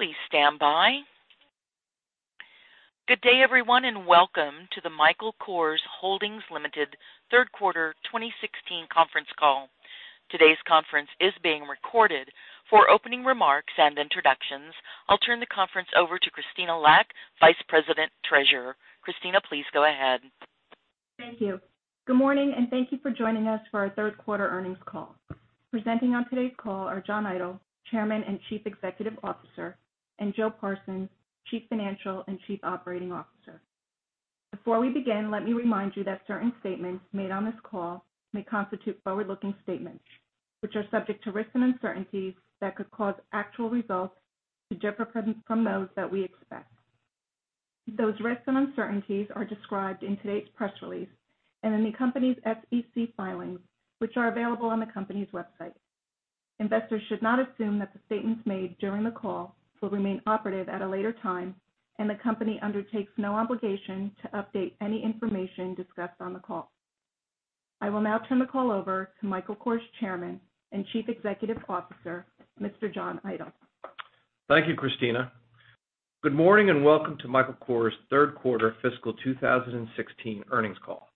Please stand by. Good day, everyone, and welcome to the Michael Kors Holdings Limited third quarter 2016 conference call. Today's conference is being recorded. For opening remarks and introductions, I will turn the conference over to Krystyna Lack, Vice President, Treasurer. Krystyna, please go ahead. Thank you. Good morning, thank you for joining us for our third quarter earnings call. Presenting on today's call are John Idol, Chairman and Chief Executive Officer, and Joe Parsons, Chief Financial and Chief Operating Officer. Before we begin, let me remind you that certain statements made on this call may constitute forward-looking statements, which are subject to risks and uncertainties that could cause actual results to differ from those that we expect. Those risks and uncertainties are described in today's press release and in the company's SEC filings, which are available on the company's website. Investors should not assume that the statements made during the call will remain operative at a later time, and the company undertakes no obligation to update any information discussed on the call. I will now turn the call over to Michael Kors Chairman and Chief Executive Officer, Mr. John Idol. Thank you, Krystyna. Good morning, and welcome to Michael Kors' third quarter fiscal 2016 earnings call.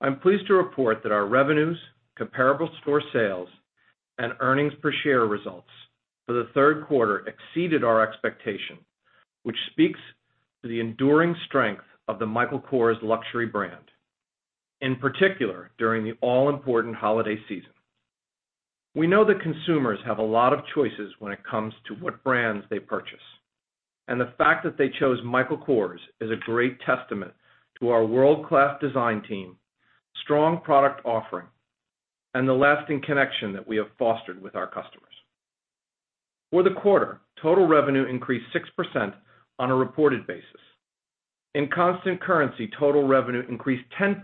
I'm pleased to report that our revenues, comparable store sales, and earnings per share results for the third quarter exceeded our expectation, which speaks to the enduring strength of the Michael Kors luxury brand, in particular during the all-important holiday season. We know that consumers have a lot of choices when it comes to what brands they purchase, and the fact that they chose Michael Kors is a great testament to our world-class design team, strong product offering, and the lasting connection that we have fostered with our customers. For the quarter, total revenue increased 6% on a reported basis. In constant currency, total revenue increased 10%,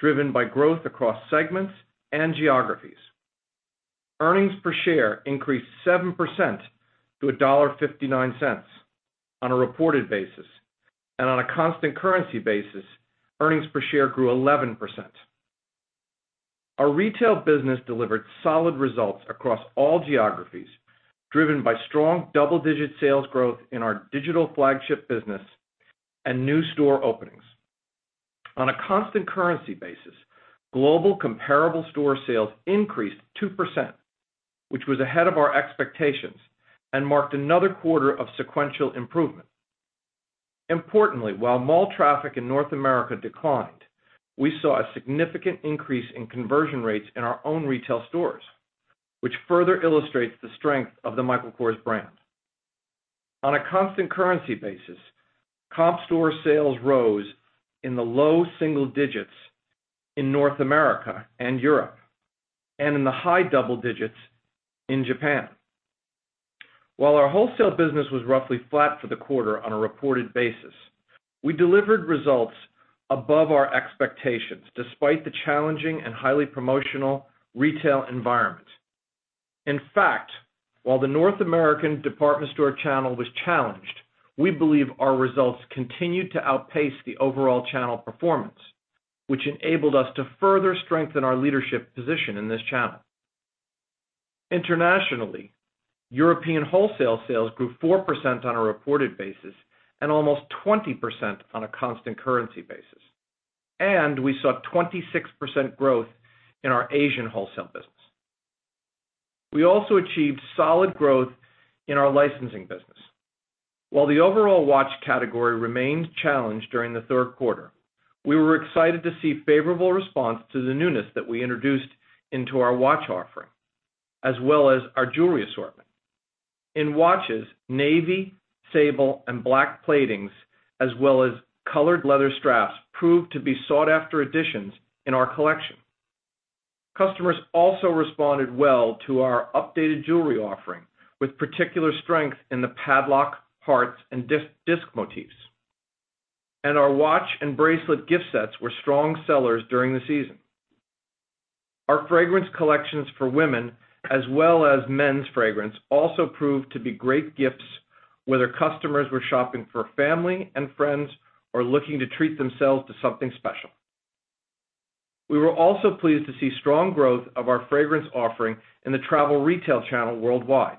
driven by growth across segments and geographies. Earnings per share increased 7% to $1.59 on a reported basis, on a constant currency basis, earnings per share grew 11%. Our retail business delivered solid results across all geographies, driven by strong double-digit sales growth in our digital flagship business and new store openings. On a constant currency basis, global comparable store sales increased 2%, which was ahead of our expectations and marked another quarter of sequential improvement. Importantly, while mall traffic in North America declined, we saw a significant increase in conversion rates in our own retail stores, which further illustrates the strength of the Michael Kors brand. On a constant currency basis, comp store sales rose in the low single digits in North America and Europe and in the high double digits in Japan. While our wholesale business was roughly flat for the quarter on a reported basis, we delivered results above our expectations, despite the challenging and highly promotional retail environment. In fact, while the North American department store channel was challenged, we believe our results continued to outpace the overall channel performance, which enabled us to further strengthen our leadership position in this channel. Internationally, European wholesale sales grew 4% on a reported basis and almost 20% on a constant currency basis, we saw 26% growth in our Asian wholesale business. We also achieved solid growth in our licensing business. While the overall watch category remained challenged during the third quarter, we were excited to see favorable response to the newness that we introduced into our watch offering as well as our jewelry assortment. In watches, navy, sable, and black platings as well as colored leather straps proved to be sought-after additions in our collection. Customers also responded well to our updated jewelry offering, with particular strength in the padlock, hearts, and disc motifs. Our watch and bracelet gift sets were strong sellers during the season. Our fragrance collections for women as well as men's fragrance also proved to be great gifts, whether customers were shopping for family and friends or looking to treat themselves to something special. We were also pleased to see strong growth of our fragrance offering in the travel retail channel worldwide.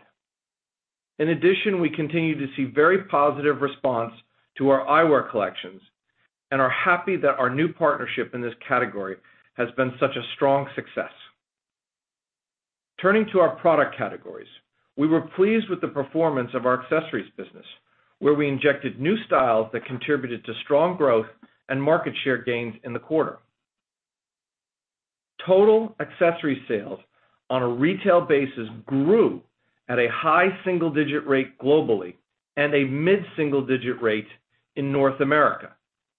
In addition, we continue to see very positive response to our eyewear collections and are happy that our new partnership in this category has been such a strong success. Turning to our product categories, we were pleased with the performance of our accessories business, where we injected new styles that contributed to strong growth and market share gains in the quarter. Total accessory sales on a retail basis grew at a high single-digit rate globally and a mid-single-digit rate in North America,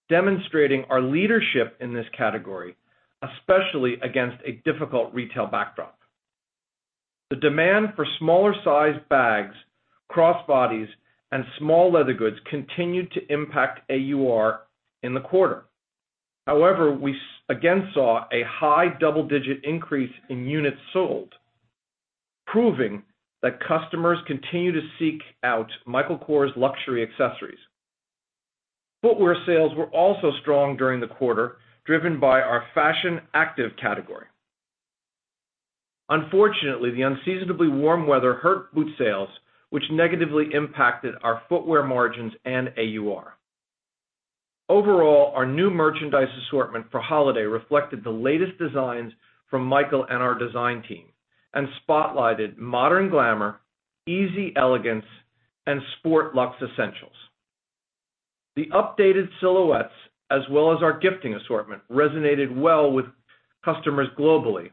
demonstrating our leadership in this category, especially against a difficult retail backdrop. The demand for smaller-sized bags, crossbodies, and small leather goods continued to impact AUR in the quarter. However, we again saw a high double-digit increase in units sold, proving that customers continue to seek out Michael Kors luxury accessories. Footwear sales were also strong during the quarter, driven by our fashion active category. Unfortunately, the unseasonably warm weather hurt boot sales, which negatively impacted our footwear margins and AUR. Overall, our new merchandise assortment for holiday reflected the latest designs from Michael and our design team and spotlighted modern glamour, easy elegance, and sport luxe essentials. The updated silhouettes, as well as our gifting assortment, resonated well with customers globally,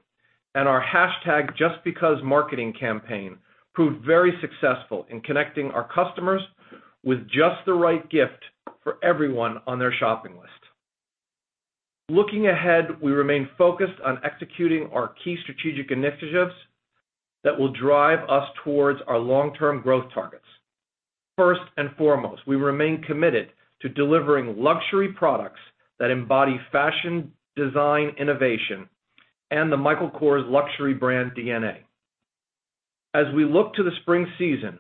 our hashtag Just Because marketing campaign proved very successful in connecting our customers with just the right gift for everyone on their shopping list. Looking ahead, we remain focused on executing our key strategic initiatives that will drive us towards our long-term growth targets. First and foremost, we remain committed to delivering luxury products that embody fashion, design, innovation, and the Michael Kors luxury brand DNA. As we look to the spring season,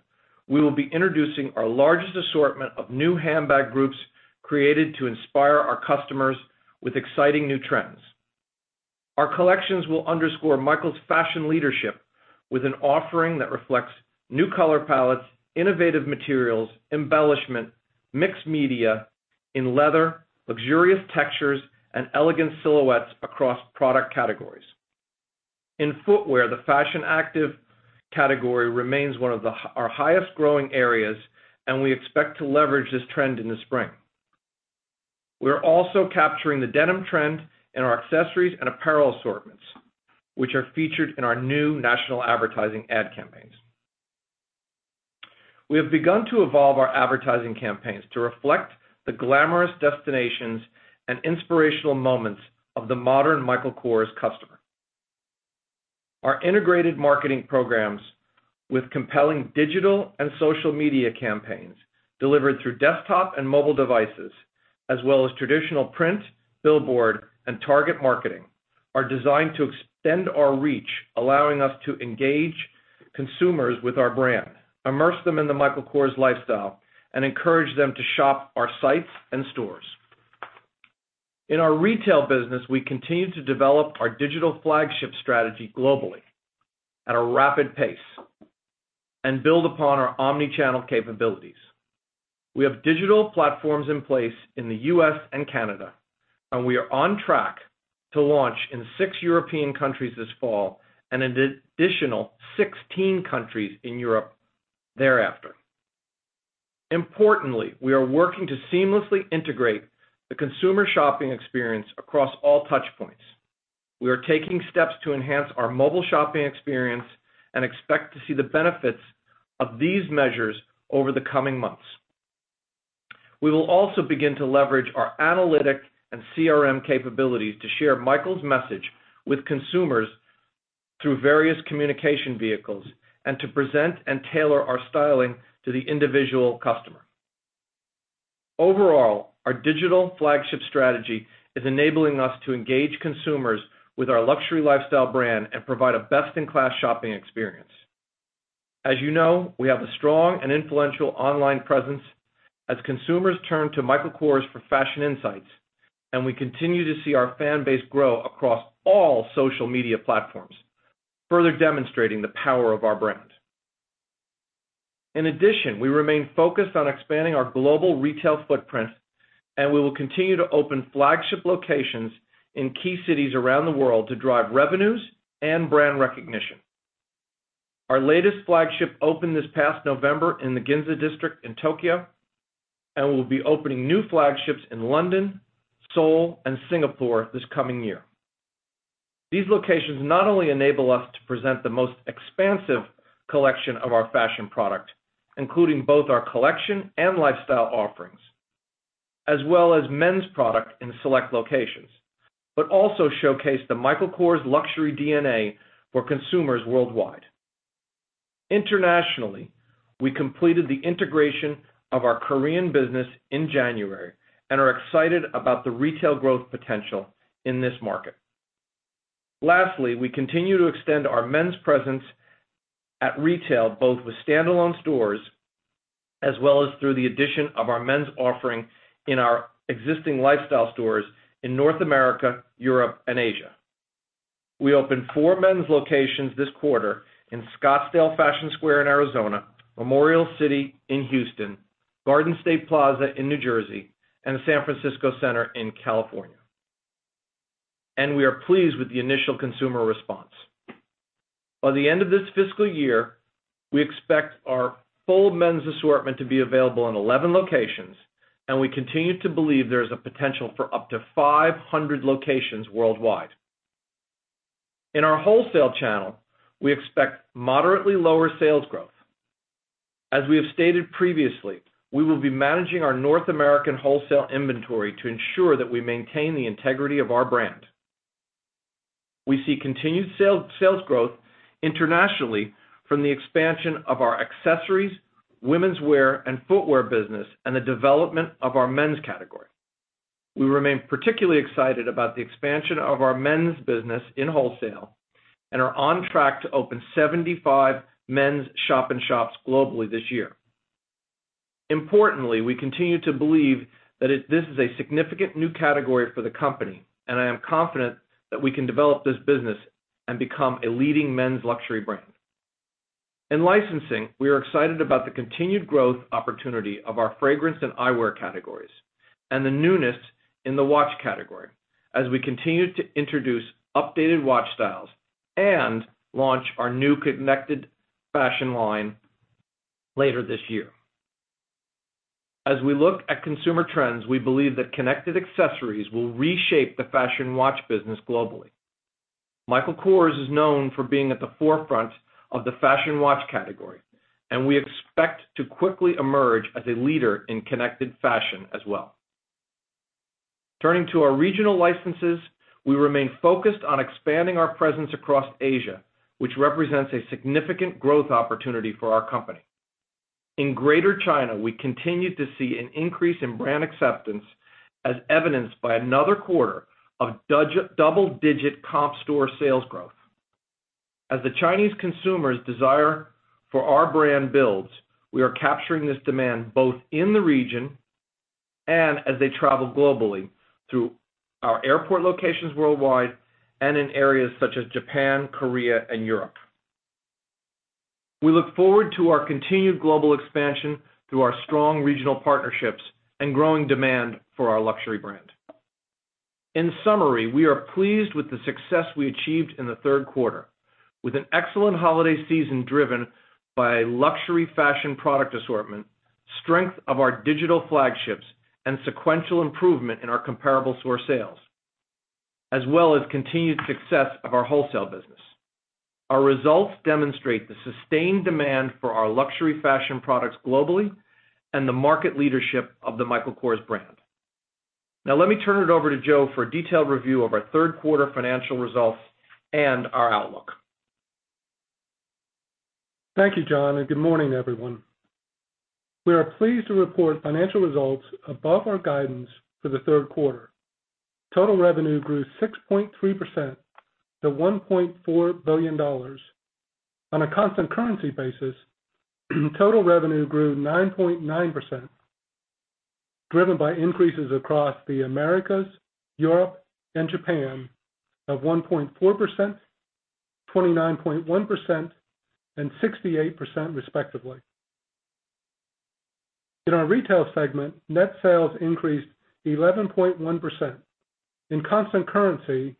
we will be introducing our largest assortment of new handbag groups created to inspire our customers with exciting new trends. Our collections will underscore Michael's fashion leadership with an offering that reflects new color palettes, innovative materials, embellishment, mixed media in leather, luxurious textures, and elegant silhouettes across product categories. In footwear, the fashion active category remains one of our highest growing areas, and we expect to leverage this trend in the spring. We are also capturing the denim trend in our accessories and apparel assortments, which are featured in our new national advertising ad campaigns. We have begun to evolve our advertising campaigns to reflect the glamorous destinations and inspirational moments of the modern Michael Kors customer. Our integrated marketing programs with compelling digital and social media campaigns delivered through desktop and mobile devices, as well as traditional print, billboard, and target marketing, are designed to extend our reach, allowing us to engage consumers with our brand, immerse them in the Michael Kors lifestyle, and encourage them to shop our sites and stores. In our retail business, we continue to develop our digital flagship strategy globally at a rapid pace and build upon our omni-channel capabilities. We have digital platforms in place in the U.S. and Canada, and we are on track to launch in 6 European countries this fall and an additional 16 countries in Europe thereafter. Importantly, we are working to seamlessly integrate the consumer shopping experience across all touch points. We are taking steps to enhance our mobile shopping experience and expect to see the benefits of these measures over the coming months. We will also begin to leverage our analytic and CRM capabilities to share Michael's message with consumers through various communication vehicles and to present and tailor our styling to the individual customer. Overall, our digital flagship strategy is enabling us to engage consumers with our luxury lifestyle brand and provide a best-in-class shopping experience. As you know, we have a strong and influential online presence as consumers turn to Michael Kors for fashion insights, and we continue to see our fan base grow across all social media platforms, further demonstrating the power of our brand. In addition, we remain focused on expanding our global retail footprint, and we will continue to open flagship locations in key cities around the world to drive revenues and brand recognition. Our latest flagship opened this past November in the Ginza District in Tokyo, and we'll be opening new flagships in London, Seoul, and Singapore this coming year. These locations not only enable us to present the most expansive collection of our fashion product, including both our collection and lifestyle offerings, as well as men's product in select locations, but also showcase the Michael Kors luxury DNA for consumers worldwide. Internationally, we completed the integration of our Korean business in January and are excited about the retail growth potential in this market. Lastly, we continue to extend our men's presence at retail, both with standalone stores as well as through the addition of our men's offering in our existing lifestyle stores in North America, Europe, and Asia. We opened four men's locations this quarter in Scottsdale Fashion Square in Arizona, Memorial City in Houston, Garden State Plaza in New Jersey, and the San Francisco Center in California, and we are pleased with the initial consumer response. By the end of this fiscal year, we expect our full men's assortment to be available in 11 locations, and we continue to believe there is a potential for up to 500 locations worldwide. In our wholesale channel, we expect moderately lower sales growth. As we have stated previously, we will be managing our North American wholesale inventory to ensure that we maintain the integrity of our brand. We see continued sales growth internationally from the expansion of our accessories, womenswear, and footwear business and the development of our men's category. We remain particularly excited about the expansion of our men's business in wholesale and are on track to open 75 men's shop-in-shops globally this year. Importantly, we continue to believe that this is a significant new category for the company, and I am confident that we can develop this business and become a leading men's luxury brand. In licensing, we are excited about the continued growth opportunity of our fragrance and eyewear categories and the newness in the watch category as we continue to introduce updated watch styles and launch our new connected fashion line later this year. As we look at consumer trends, we believe that connected accessories will reshape the fashion watch business globally. Michael Kors is known for being at the forefront of the fashion watch category, and we expect to quickly emerge as a leader in connected fashion as well. Turning to our regional licenses, we remain focused on expanding our presence across Asia, which represents a significant growth opportunity for our company. In Greater China, we continue to see an increase in brand acceptance, as evidenced by another quarter of double-digit comp store sales growth. As the Chinese consumers' desire for our brand builds, we are capturing this demand both in the region and as they travel globally through our airport locations worldwide and in areas such as Japan, Korea, and Europe. We look forward to our continued global expansion through our strong regional partnerships and growing demand for our luxury brand. In summary, we are pleased with the success we achieved in the third quarter with an excellent holiday season driven by luxury fashion product assortment, strength of our digital flagships, and sequential improvement in our comparable store sales, as well as continued success of our wholesale business. Our results demonstrate the sustained demand for our luxury fashion products globally and the market leadership of the Michael Kors brand. Now let me turn it over to Joe for a detailed review of our third quarter financial results and our outlook. Thank you, John, and good morning, everyone. We are pleased to report financial results above our guidance for the third quarter. Total revenue grew 6.3% to $1.4 billion. On a constant currency basis, total revenue grew 9.9%, driven by increases across the Americas, Europe, and Japan of 1.4%, 29.1%, and 68% respectively. In our retail segment, net sales increased 11.1%. In constant currency,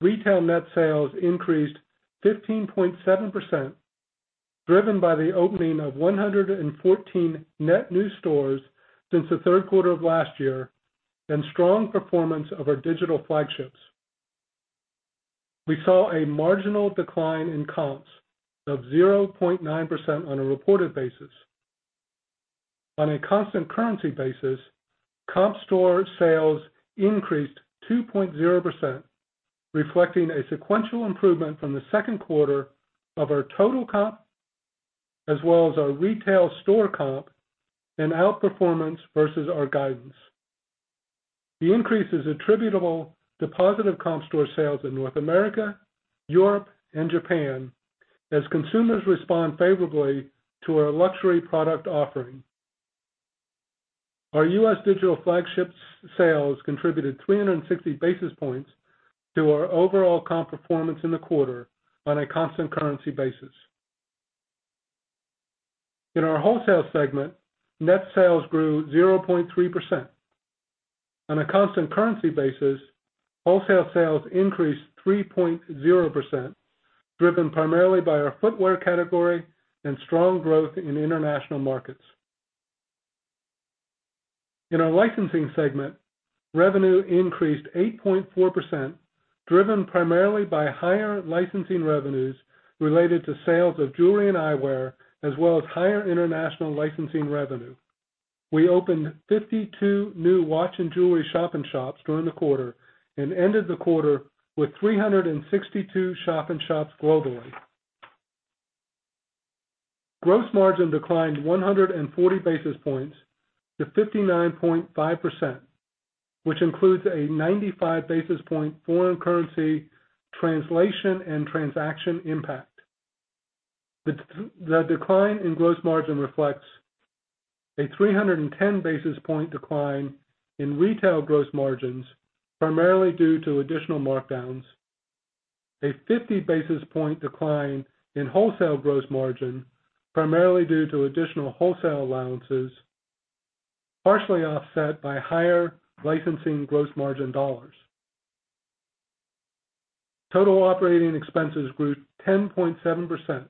retail net sales increased 15.7%, driven by the opening of 114 net new stores since the third quarter of last year and strong performance of our digital flagships. We saw a marginal decline in comps of 0.9% on a reported basis. On a constant currency basis, comp store sales increased 2.0%, reflecting a sequential improvement from the second quarter of our total comp, as well as our retail store comp and outperformance versus our guidance. The increase is attributable to positive comp store sales in North America, Europe, and Japan as consumers respond favorably to our luxury product offering. Our U.S. digital flagship's sales contributed 360 basis points to our overall comp performance in the quarter on a constant currency basis. In our wholesale segment, net sales grew 0.3%. On a constant currency basis, wholesale sales increased 3.0%, driven primarily by our footwear category and strong growth in international markets. In our licensing segment, revenue increased 8.4%, driven primarily by higher licensing revenues related to sales of jewelry and eyewear, as well as higher international licensing revenue. We opened 52 new watch and jewelry shop-in-shops during the quarter and ended the quarter with 362 shop-in-shops globally. Gross margin declined 140 basis points to 59.5%, which includes a 95 basis point foreign currency translation and transaction impact. The decline in gross margin reflects a 310 basis point decline in retail gross margins, primarily due to additional markdowns, a 50 basis point decline in wholesale gross margin, primarily due to additional wholesale allowances, partially offset by higher licensing gross margin dollars. Total operating expenses grew 10.7%.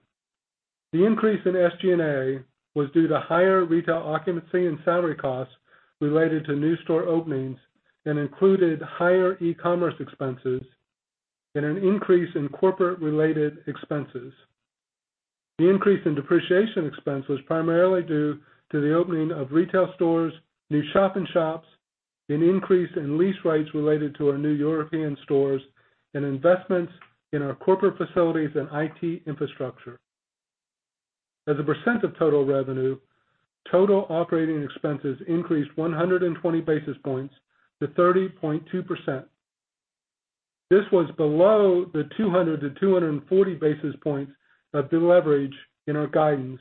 The increase in SG&A was due to higher retail occupancy and salary costs related to new store openings and included higher e-commerce expenses and an increase in corporate related expenses. The increase in depreciation expense was primarily due to the opening of retail stores, new shop-in-shops, an increase in lease rates related to our new European stores, and investments in our corporate facilities and IT infrastructure. As a percent of total revenue, total operating expenses increased 120 basis points to 30.2%. This was below the 200 to 240 basis points of deleverage in our guidance,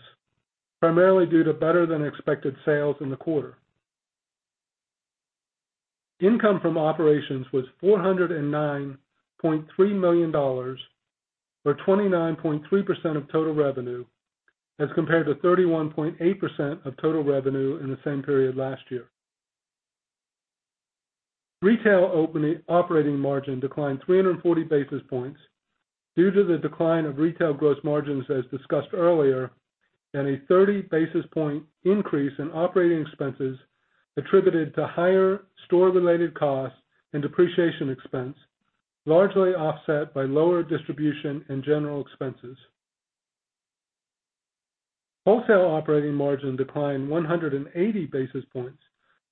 primarily due to better than expected sales in the quarter. Income from operations was $409.3 million, or 29.3% of total revenue as compared to 31.8% of total revenue in the same period last year. Retail operating margin declined 340 basis points due to the decline of retail gross margins as discussed earlier, and a 30 basis point increase in operating expenses attributed to higher store-related costs and depreciation expense, largely offset by lower distribution and general expenses. Wholesale operating margin declined 180 basis points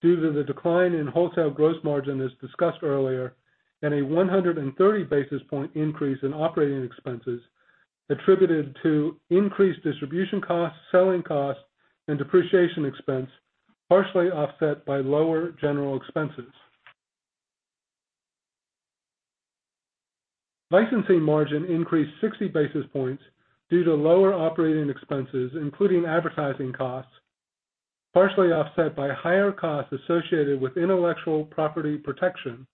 due to the decline in wholesale gross margin as discussed earlier, and a 130 basis point increase in operating expenses attributed to increased distribution costs, selling costs and depreciation expense, partially offset by lower general expenses. Licensing margin increased 60 basis points due to lower operating expenses, including advertising costs, partially offset by higher costs associated with intellectual property protection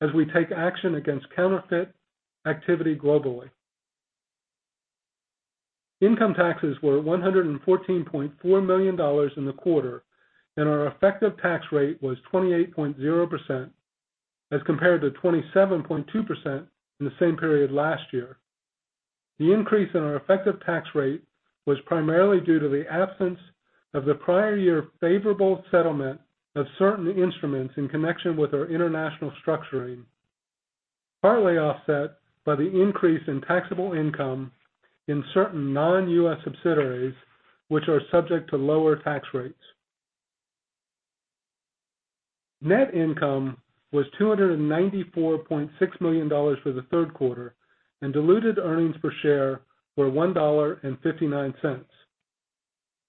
as we take action against counterfeit activity globally. Income taxes were $114.4 million in the quarter, and our effective tax rate was 28.0% as compared to 27.2% in the same period last year. The increase in our effective tax rate was primarily due to the absence of the prior year favorable settlement of certain instruments in connection with our international structuring, partly offset by the increase in taxable income in certain non-U.S. subsidiaries which are subject to lower tax rates. Net income was $294.6 million for the third quarter, and diluted earnings per share were $1.59.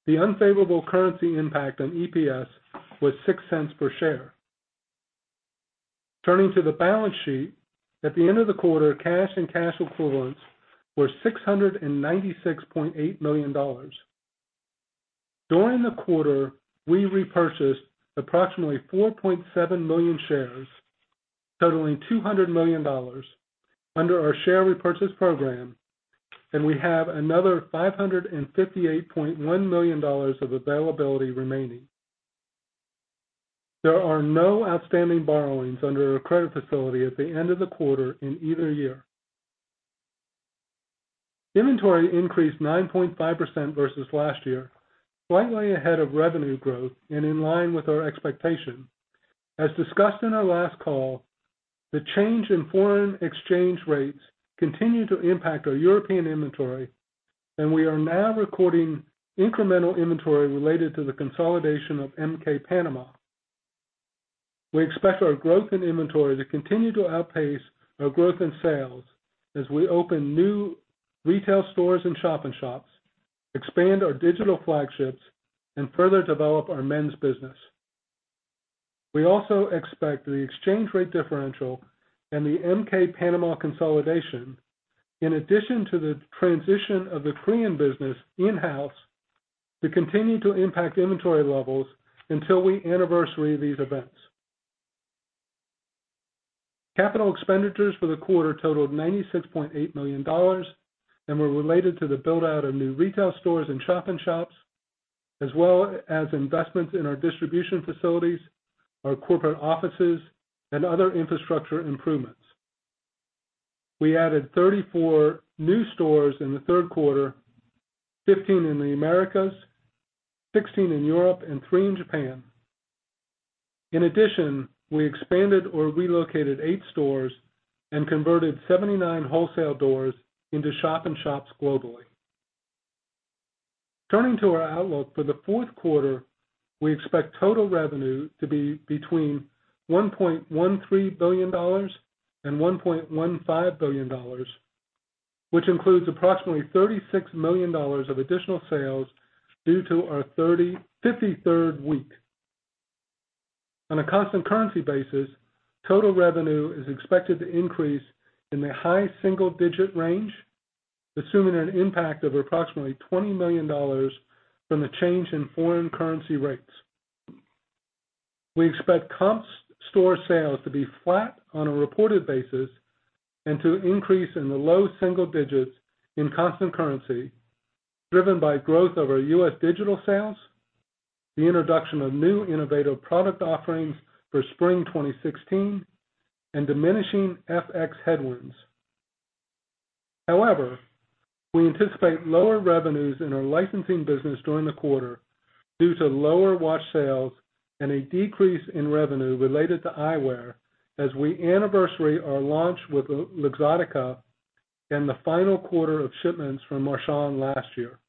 The unfavorable currency impact on EPS was $0.06 per share. Turning to the balance sheet, at the end of the quarter, cash and cash equivalents were $696.8 million. During the quarter, we repurchased approximately 4.7 million shares totaling $200 million under our share repurchase program, and we have another $558.1 million of availability remaining. There are no outstanding borrowings under our credit facility at the end of the quarter in either year. Inventory increased 9.5% versus last year, slightly ahead of revenue growth and in line with our expectation. As discussed in our last call, the change in foreign exchange rates continue to impact our European inventory, and we are now recording incremental inventory related to the consolidation of MK Panama. We expect our growth in inventory to continue to outpace our growth in sales as we open new retail stores and shop-in-shops, expand our digital flagships and further develop our men's business. We also expect the exchange rate differential and the MK Panama consolidation, in addition to the transition of the Korean business in-house, to continue to impact inventory levels until we anniversary these events. Capital expenditures for the quarter totaled $96.8 million and were related to the build-out of new retail stores and shop-in-shops, as well as investments in our distribution facilities, our corporate offices, and other infrastructure improvements. We added 34 new stores in the third quarter, 15 in the Americas, 16 in Europe and three in Japan. In addition, we expanded or relocated eight stores and converted 79 wholesale doors into shop-in-shops globally. Turning to our outlook for the fourth quarter, we expect total revenue to be between $1.13 billion and $1.15 billion, which includes approximately $36 million of additional sales due to our 53rd week. On a constant currency basis, total revenue is expected to increase in the high single-digit range, assuming an impact of approximately $20 million from the change in foreign currency rates. We expect comp store sales to be flat on a reported basis and to increase in the low single digits in constant currency driven by growth of our U.S. digital sales, the introduction of new innovative product offerings for Spring 2016, and diminishing FX headwinds. However, we anticipate lower revenues in our licensing business during the quarter due to lower watch sales and a decrease in revenue related to eyewear as we anniversary our launch with Luxottica and the final quarter of shipments from Marchon last year.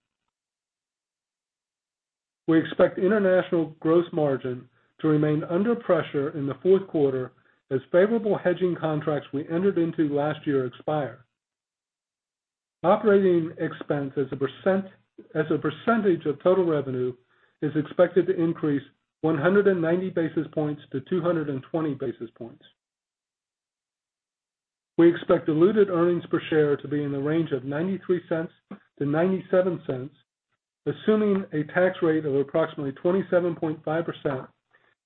We expect international gross margin to remain under pressure in the fourth quarter as favorable hedging contracts we entered into last year expire. Operating expense as a percentage of total revenue is expected to increase 190 basis points to 220 basis points. We expect diluted earnings per share to be in the range of $0.93-$0.97, assuming a tax rate of approximately 27.5%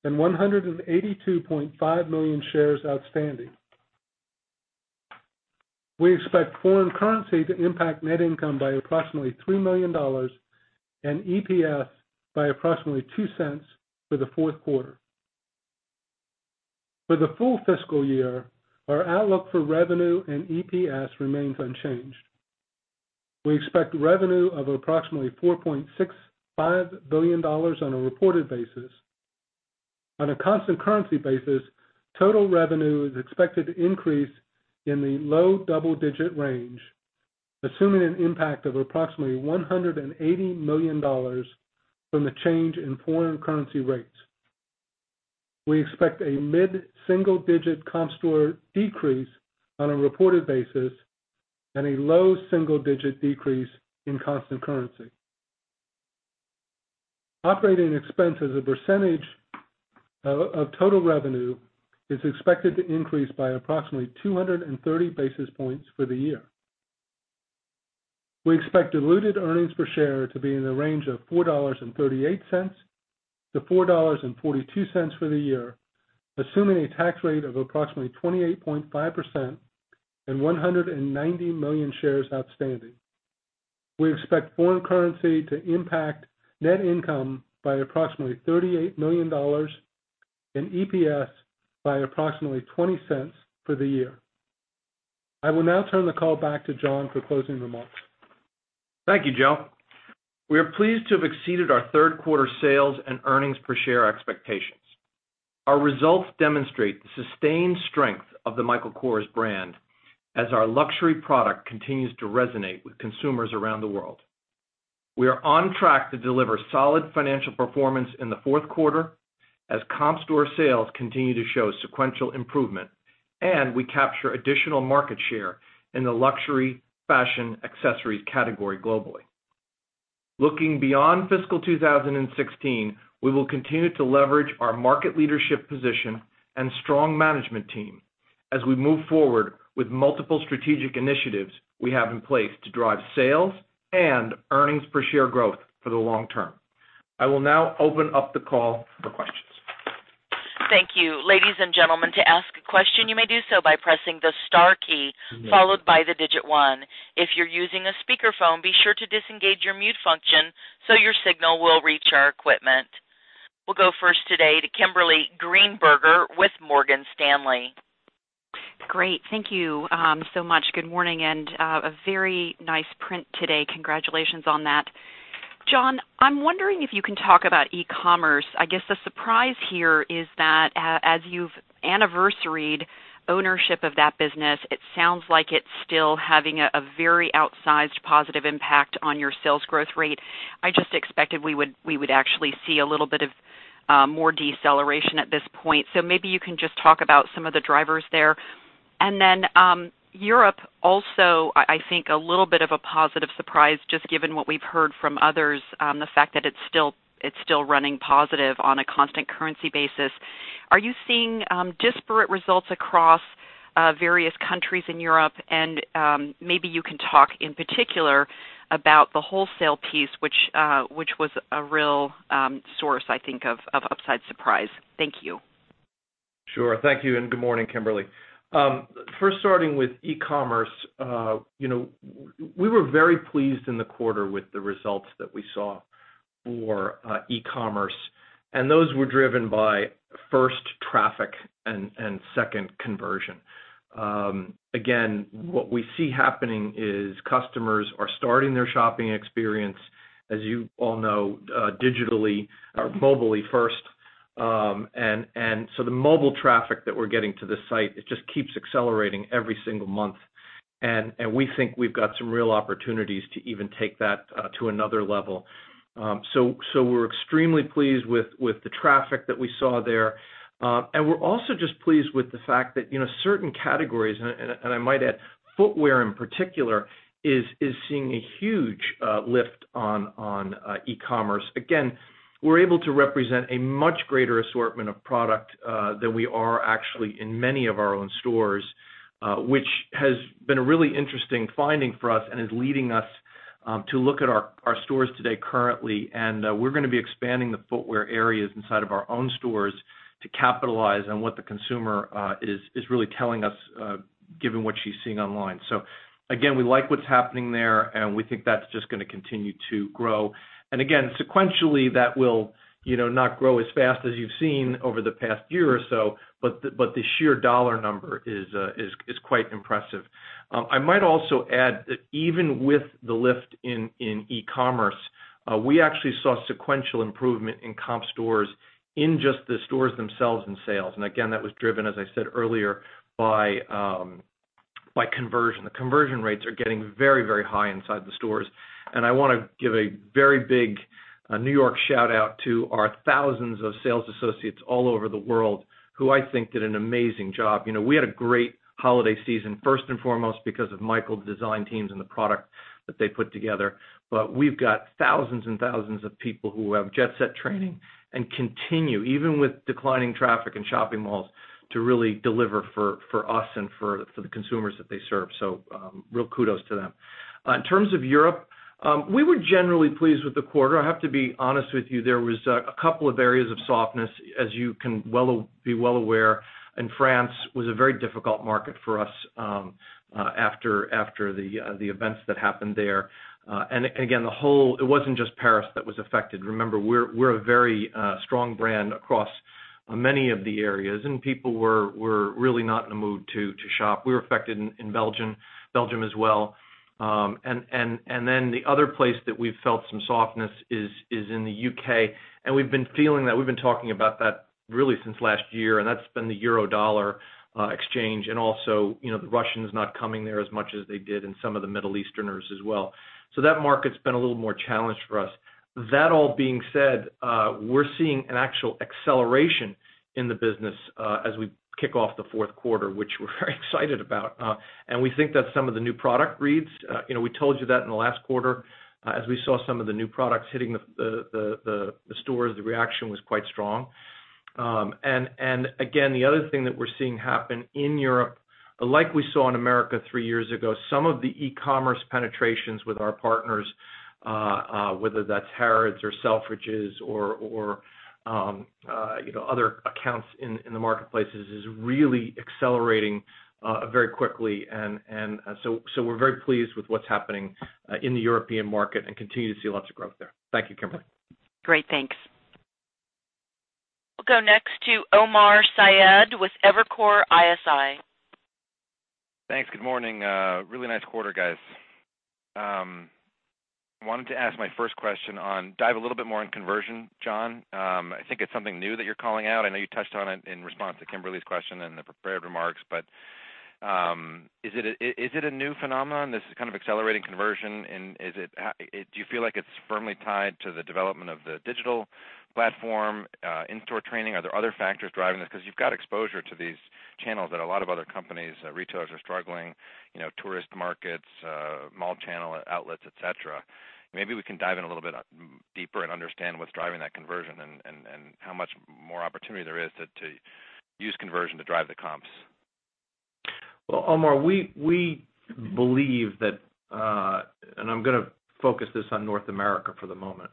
and 182.5 million shares outstanding. We expect foreign currency to impact net income by approximately $3 million and EPS by approximately $0.02 for the fourth quarter. For the full fiscal year, our outlook for revenue and EPS remains unchanged. We expect revenue of approximately $4.65 billion on a reported basis. On a constant currency basis, total revenue is expected to increase in the low double-digit range, assuming an impact of approximately $180 million from the change in foreign currency rates. We expect a mid-single-digit comp store decrease on a reported basis and a low single-digit decrease in constant currency. Operating expense as a percentage of total revenue is expected to increase by approximately 230 basis points for the year. We expect diluted earnings per share to be in the range of $4.38-$4.42 for the year, assuming a tax rate of approximately 28.5% and 190 million shares outstanding. We expect foreign currency to impact net income by approximately $38 million and EPS by approximately $0.20 for the year. I will now turn the call back to John for closing remarks. Thank you, Joe. We are pleased to have exceeded our third quarter sales and earnings per share expectations. Our results demonstrate the sustained strength of the Michael Kors brand as our luxury product continues to resonate with consumers around the world. We are on track to deliver solid financial performance in the fourth quarter as comp store sales continue to show sequential improvement and we capture additional market share in the luxury fashion accessories category globally. Looking beyond fiscal 2016, we will continue to leverage our market leadership position and strong management team as we move forward with multiple strategic initiatives we have in place to drive sales and earnings per share growth for the long term. I will now open up the call for questions. Thank you. Ladies and gentlemen, to ask a question, you may do so by pressing the star key followed by the digit 1. If you're using a speakerphone, be sure to disengage your mute function so your signal will reach our equipment. We'll go first today to Kimberly Greenberger with Morgan Stanley. Great. Thank you so much. Good morning. A very nice print today. Congratulations on that. John, I'm wondering if you can talk about e-commerce. I guess the surprise here is that as you've anniversaried ownership of that business, it sounds like it's still having a very outsized positive impact on your sales growth rate. I just expected we would actually see a little bit of more deceleration at this point. Maybe you can just talk about some of the drivers there. Europe also, I think a little bit of a positive surprise, just given what we've heard from others, the fact that it's still running positive on a constant currency basis. Are you seeing disparate results across various countries in Europe? Maybe you can talk in particular about the wholesale piece, which was a real source, I think, of upside surprise. Thank you. Sure. Thank you. Good morning, Kimberly. First starting with e-commerce. We were very pleased in the quarter with the results that we saw for e-commerce, and those were driven by, first, traffic and second, conversion. Again, what we see happening is customers are starting their shopping experience, as you all know, digitally or mobily first. The mobile traffic that we're getting to the site, it just keeps accelerating every single month, and we think we've got some real opportunities to even take that to another level. We're extremely pleased with the traffic that we saw there. We're also just pleased with the fact that certain categories, and I might add footwear in particular, is seeing a huge lift on e-commerce. Again, we're able to represent a much greater assortment of product than we are actually in many of our own stores, which has been a really interesting finding for us and is leading us to look at our stores today currently. We're going to be expanding the footwear areas inside of our own stores to capitalize on what the consumer is really telling us, given what she's seeing online. Again, we like what's happening there, and we think that's just going to continue to grow. Again, sequentially, that will not grow as fast as you've seen over the past year or so, but the sheer dollar number is quite impressive. I might also add, even with the lift in e-commerce, we actually saw sequential improvement in comp stores in just the stores themselves and sales. Again, that was driven, as I said earlier, by conversion. The conversion rates are getting very, very high inside the stores. I want to give a very big New York shout-out to our thousands of sales associates all over the world, who I think did an amazing job. We had a great holiday season, first and foremost because of Michael's design teams and the product that they put together. We've got thousands and thousands of people who have jet-set training and continue, even with declining traffic in shopping malls, to really deliver for us and for the consumers that they serve. Real kudos to them. In terms of Europe, we were generally pleased with the quarter. I have to be honest with you, there was a couple of areas of softness, as you can be well aware. France was a very difficult market for us after the events that happened there. It wasn't just Paris that was affected. Remember, we're a very strong brand across many of the areas, and people were really not in the mood to shop. We were affected in Belgium as well. The other place that we've felt some softness is in the U.K., and we've been feeling that. We've been talking about that really since last year, and that's been the euro-dollar exchange and also the Russians not coming there as much as they did, and some of the Middle Easterners as well. That market's been a little more challenged for us. That all being said, we're seeing an actual acceleration in the business as we kick off the fourth quarter, which we're very excited about. We think that some of the new product reads. We told you that in the last quarter as we saw some of the new products hitting the stores, the reaction was quite strong. Again, the other thing that we're seeing happen in Europe, like we saw in America three years ago, some of the e-commerce penetrations with our partners, whether that's Harrods or Selfridges or other accounts in the marketplaces, is really accelerating very quickly. We're very pleased with what's happening in the European market and continue to see lots of growth there. Thank you, Kimberly. Great. Thanks. We'll go next to Omar Saad with Evercore ISI. Thanks. Good morning. A really nice quarter, guys. I wanted to ask my first question, dive a little bit more on conversion, John. I think it's something new that you're calling out. I know you touched on it in response to Kimberly Greenberger's question in the prepared remarks, is it a new phenomenon, this kind of accelerating conversion? Do you feel like it's firmly tied to the development of the digital platform, in-store training? Are there other factors driving this? You've got exposure to these channels that a lot of other companies, retailers are struggling, tourist markets, mall channel outlets, et cetera. Maybe we can dive in a little bit deeper and understand what's driving that conversion and how much more opportunity there is to use conversion to drive the comps. Well, Omar Saad, I'm going to focus this on North America for the moment.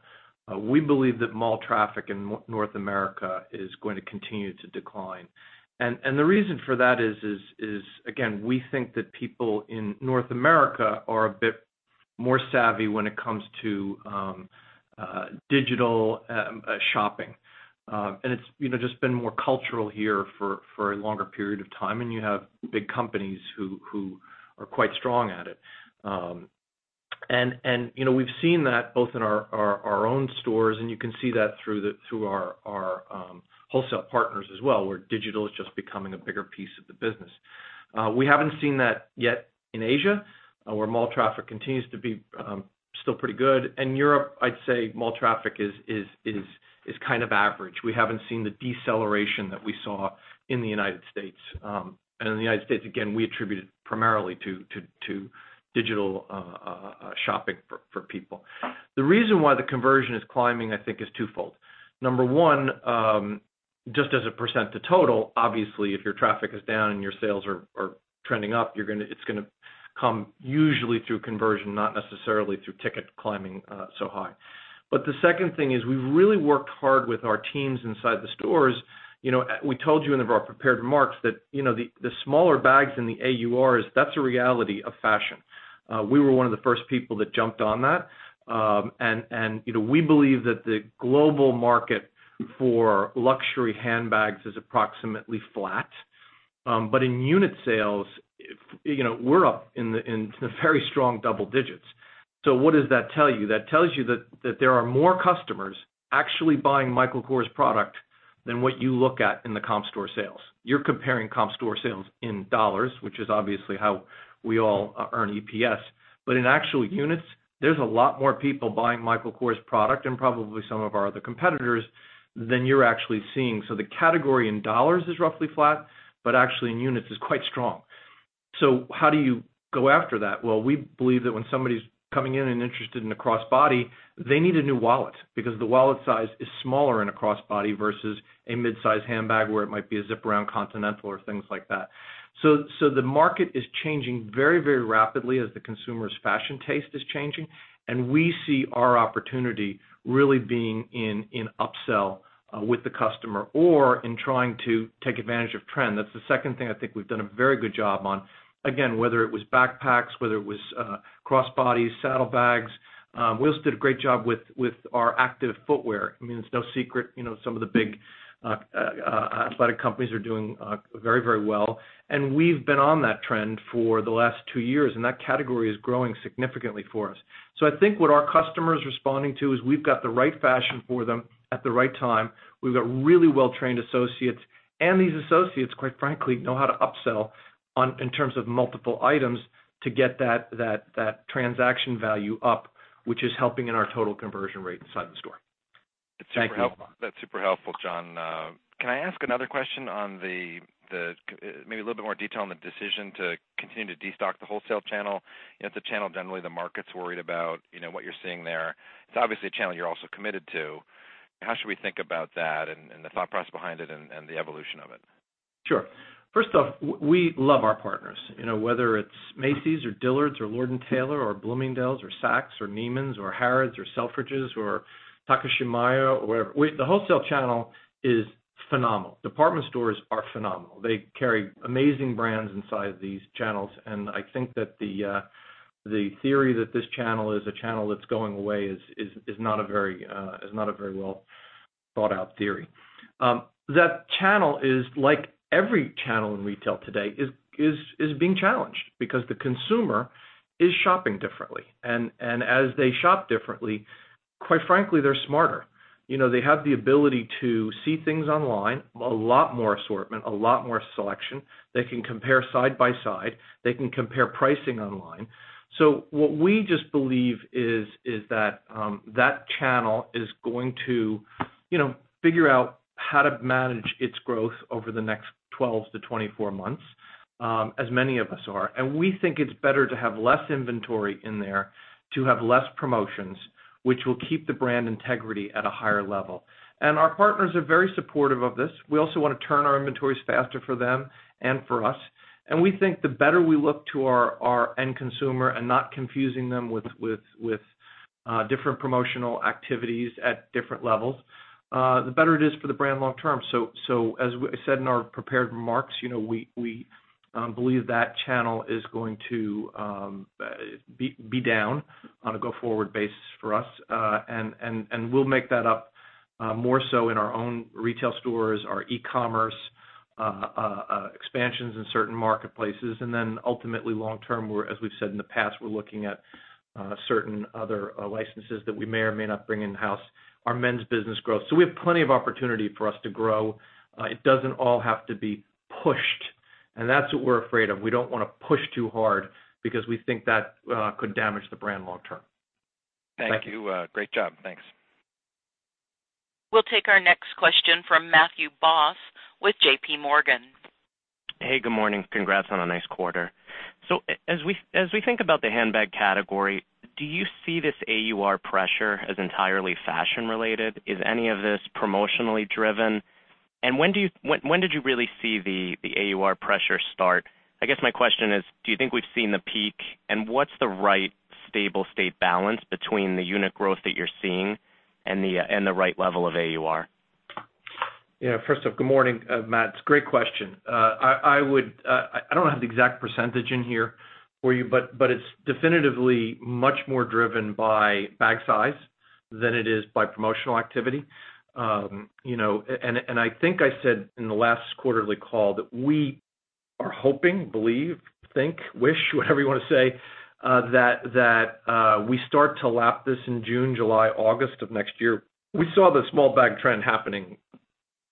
We believe that mall traffic in North America is going to continue to decline. The reason for that is, again, we think that people in North America are a bit more savvy when it comes to digital shopping. It's just been more cultural here for a longer period of time, and you have big companies who are quite strong at it. We've seen that both in our own stores and you can see that through our wholesale partners as well, where digital is just becoming a bigger piece of the business. We haven't seen that yet in Asia, where mall traffic continues to be still pretty good. In Europe, I'd say mall traffic is kind of average. We haven't seen the deceleration that we saw in the United States. In the United States, again, we attribute it primarily to digital shopping for people. The reason why the conversion is climbing, I think, is twofold. Number one, just as a % of total, obviously, if your traffic is down and your sales are trending up, it's going to come usually through conversion, not necessarily through ticket climbing so high. The second thing is we've really worked hard with our teams inside the stores. We told you in our prepared remarks that the smaller bags in the AUR is that's the reality of fashion. We were one of the first people that jumped on that. We believe that the global market for luxury handbags is approximately flat. In unit sales, we're up in very strong double digits. What does that tell you? That tells you that there are more customers actually buying Michael Kors product than what you look at in the comp store sales. You're comparing comp store sales in dollars, which is obviously how we all earn EPS. In actual units, there's a lot more people buying Michael Kors product and probably some of our other competitors than you're actually seeing. The category in dollars is roughly flat, actually in units is quite strong. How do you go after that? Well, we believe that when somebody's coming in and interested in a crossbody, they need a new wallet because the wallet size is smaller in a crossbody versus a mid-size handbag where it might be a zip around continental or things like that. The market is changing very, very rapidly as the consumer's fashion taste is changing, and we see our opportunity really being in upsell with the customer or in trying to take advantage of trend. That's the second thing I think we've done a very good job on. Again, whether it was backpacks, whether it was crossbodies, saddlebags. Willis did a great job with our active footwear. I mean, it's no secret some of the big athletic companies are doing very, very well, and we've been on that trend for the last two years, and that category is growing significantly for us. I think what our customer is responding to is we've got the right fashion for them at the right time. We've got really well-trained associates. These associates, quite frankly, know how to upsell in terms of multiple items to get that transaction value up, which is helping in our total conversion rate inside the store. Thank you. That's super helpful, John. Can I ask another question on the, maybe a little bit more detail on the decision to continue to destock the wholesale channel? It's a channel generally the market's worried about, what you're seeing there. It's obviously a channel you're also committed to. How should we think about that and the thought process behind it and the evolution of it? Sure. First off, we love our partners. Whether it's Macy's or Dillard's or Lord & Taylor or Bloomingdale's or Saks or Neiman's or Harrods or Selfridges or Takashimaya or wherever. The wholesale channel is phenomenal. Department stores are phenomenal. They carry amazing brands inside these channels, and I think that the theory that this channel is a channel that's going away is not a very well thought-out theory. That channel is, like every channel in retail today, is being challenged because the consumer is shopping differently. As they shop differently, quite frankly, they're smarter. They have the ability to see things online, a lot more assortment, a lot more selection. They can compare side by side. They can compare pricing online. What we just believe is that that channel is going to figure out how to manage its growth over the next 12 to 24 months, as many of us are. We think it's better to have less inventory in there, to have less promotions, which will keep the brand integrity at a higher level. Our partners are very supportive of this. We also want to turn our inventories faster for them and for us. We think the better we look to our end consumer and not confusing them with different promotional activities at different levels, the better it is for the brand long term. As we said in our prepared remarks, we believe that channel is going to be down on a go-forward basis for us. We'll make that up more so in our own retail stores, our e-commerce expansions in certain marketplaces, and then ultimately long term, as we've said in the past, we're looking at certain other licenses that we may or may not bring in-house, our men's business growth. We have plenty of opportunity for us to grow. It doesn't all have to be pushed, and that's what we're afraid of. We don't want to push too hard because we think that could damage the brand long term. Thank you. Thank you. Great job. Thanks. We'll take our next question from Matthew Boss with J.P. Morgan. Hey, good morning. Congrats on a nice quarter. As we think about the handbag category, do you see this AUR pressure as entirely fashion-related? Is any of this promotionally driven? When did you really see the AUR pressure start? I guess my question is, do you think we've seen the peak? What's the right stable state balance between the unit growth that you're seeing and the right level of AUR? Yeah. First off, good morning, Matt. It's a great question. I don't have the exact percentage in here for you, but it's definitively much more driven by bag size than it is by promotional activity. I think I said in the last quarterly call that we are hoping, believe, think, wish, whatever you want to say, that we start to lap this in June, July, August of next year. We saw the small bag trend happening.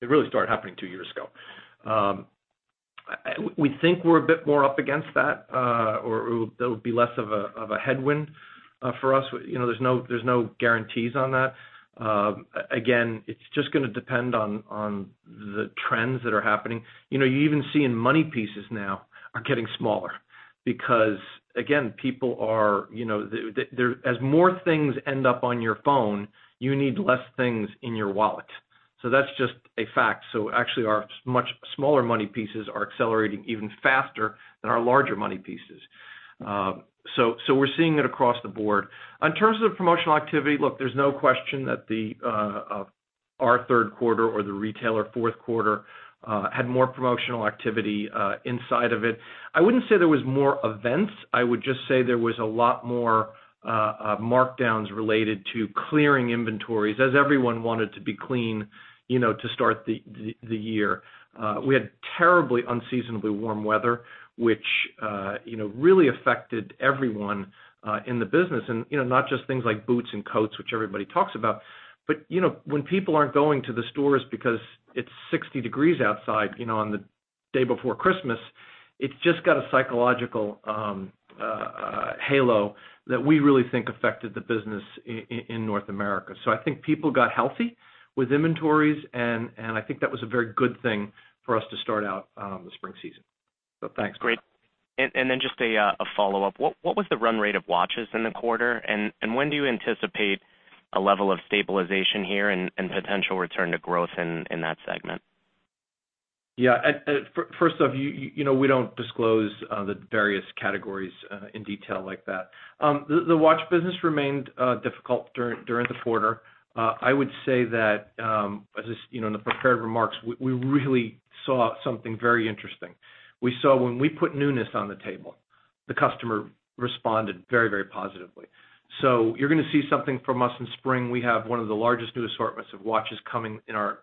It really started happening two years ago. We think we're a bit more up against that, or there'll be less of a headwind for us. There's no guarantees on that. Again, it's just going to depend on the trends that are happening. You even see in money pieces now are getting smaller because, again, as more things end up on your phone, you need less things in your wallet. That's just a fact. Actually, our much smaller money pieces are accelerating even faster than our larger money pieces. We're seeing it across the board. In terms of promotional activity, look, there's no question that our third quarter or the retailer fourth quarter had more promotional activity inside of it. I wouldn't say there was more events. I would just say there was a lot more markdowns related to clearing inventories as everyone wanted to be clean to start the year. We had terribly unseasonably warm weather, which really affected everyone in the business, and not just things like boots and coats, which everybody talks about. When people aren't going to the stores because it's 60 degrees outside on the day before Christmas, it's just got a psychological halo that we really think affected the business in North America. I think people got healthy with inventories, and I think that was a very good thing for us to start out the spring season. Thanks, Matt. Great. Just a follow-up. What was the run rate of watches in the quarter, and when do you anticipate a level of stabilization here and potential return to growth in that segment? First off, we don't disclose the various categories in detail like that. The watch business remained difficult during the quarter. I would say that, in the prepared remarks, we really saw something very interesting. We saw when we put newness on the table, the customer responded very positively. You're going to see something from us in spring. We have one of the largest new assortments of watches coming in our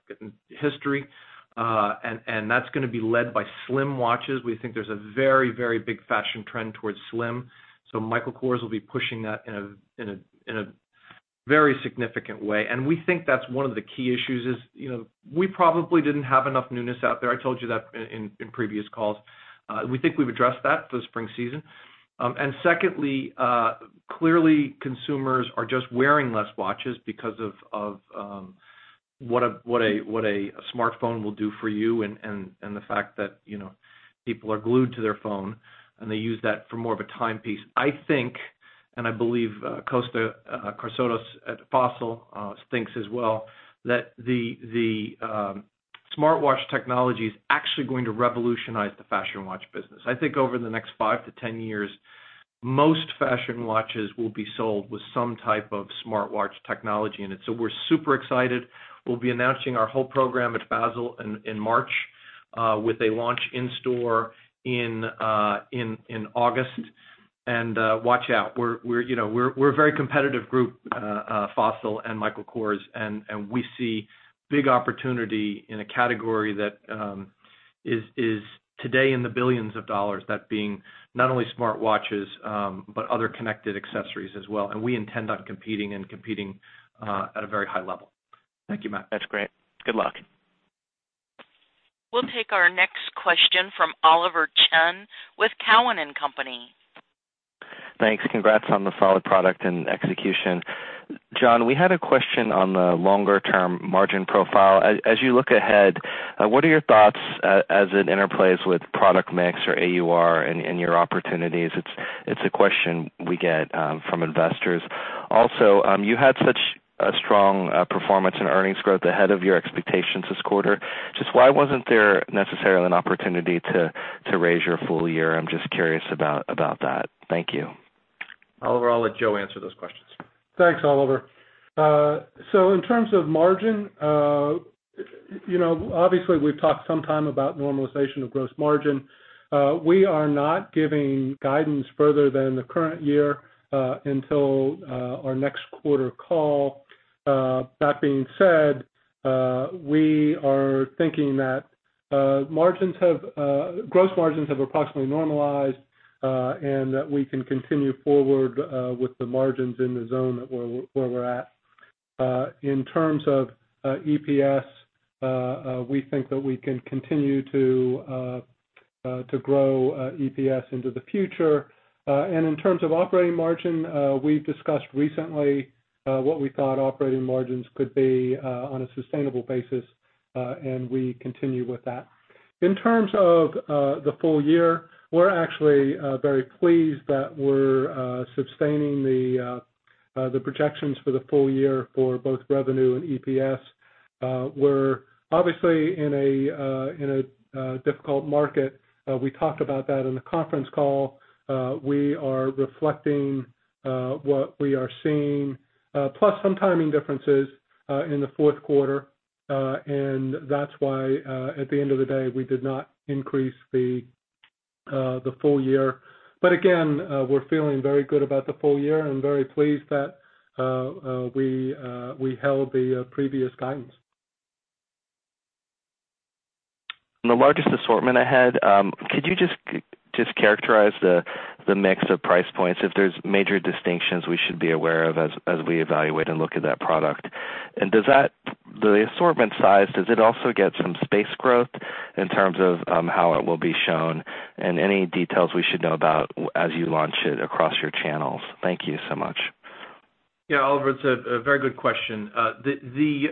history, and that's going to be led by slim watches. We think there's a very big fashion trend towards slim. Michael Kors will be pushing that in a very significant way. We think that's one of the key issues is, we probably didn't have enough newness out there. I told you that in previous calls. We think we've addressed that for the spring season. Secondly, clearly, consumers are just wearing less watches because of what a smartphone will do for you and the fact that people are glued to their phone, and they use that for more of a timepiece. I think, and I believe Kosta Kartsotis at Fossil thinks as well, that the smartwatch technology is actually going to revolutionize the fashion watch business. I think over the next 5-10 years, most fashion watches will be sold with some type of smartwatch technology in it. We're super excited. We'll be announcing our whole program at Basel in March, with a launch in store in August. Watch out. We're a very competitive group, Fossil and Michael Kors. We see big opportunity in a category that is today in the billions of dollars, that being not only smartwatches, but other connected accessories as well. We intend on competing and competing at a very high level. Thank you, Matt. That's great. Good luck. We'll take our next question from Oliver Chen with Cowen and Company. Thanks. Congrats on the solid product and execution. John, we had a question on the longer-term margin profile. As you look ahead, what are your thoughts, as it interplays with product mix or AUR and your opportunities? It's a question we get from investors. Also, you had such a strong performance in earnings growth ahead of your expectations this quarter. Just why wasn't there necessarily an opportunity to raise your full year? I'm just curious about that. Thank you. Oliver, I'll let Joe answer those questions. Thanks, Oliver. In terms of margin, obviously, we've talked some time about normalization of gross margin. We are not giving guidance further than the current year until our next quarter call. That being said, we are thinking that gross margins have approximately normalized, and that we can continue forward with the margins in the zone that where we're at. In terms of EPS, we think that we can continue to grow EPS into the future. In terms of operating margin, we've discussed recently what we thought operating margins could be on a sustainable basis, and we continue with that. In terms of the full year, we're actually very pleased that we're sustaining the projections for the full year for both revenue and EPS. We're obviously in a difficult market. We talked about that in the conference call. We are reflecting what we are seeing, plus some timing differences in the fourth quarter. That's why, at the end of the day, we did not increase the full year. Again, we're feeling very good about the full year and very pleased that we held the previous guidance. On the largest assortment ahead, could you just characterize the mix of price points, if there's major distinctions we should be aware of as we evaluate and look at that product? Does the assortment size also get some space growth in terms of how it will be shown, and any details we should know about as you launch it across your channels? Thank you so much. Yeah, Oliver, it's a very good question. The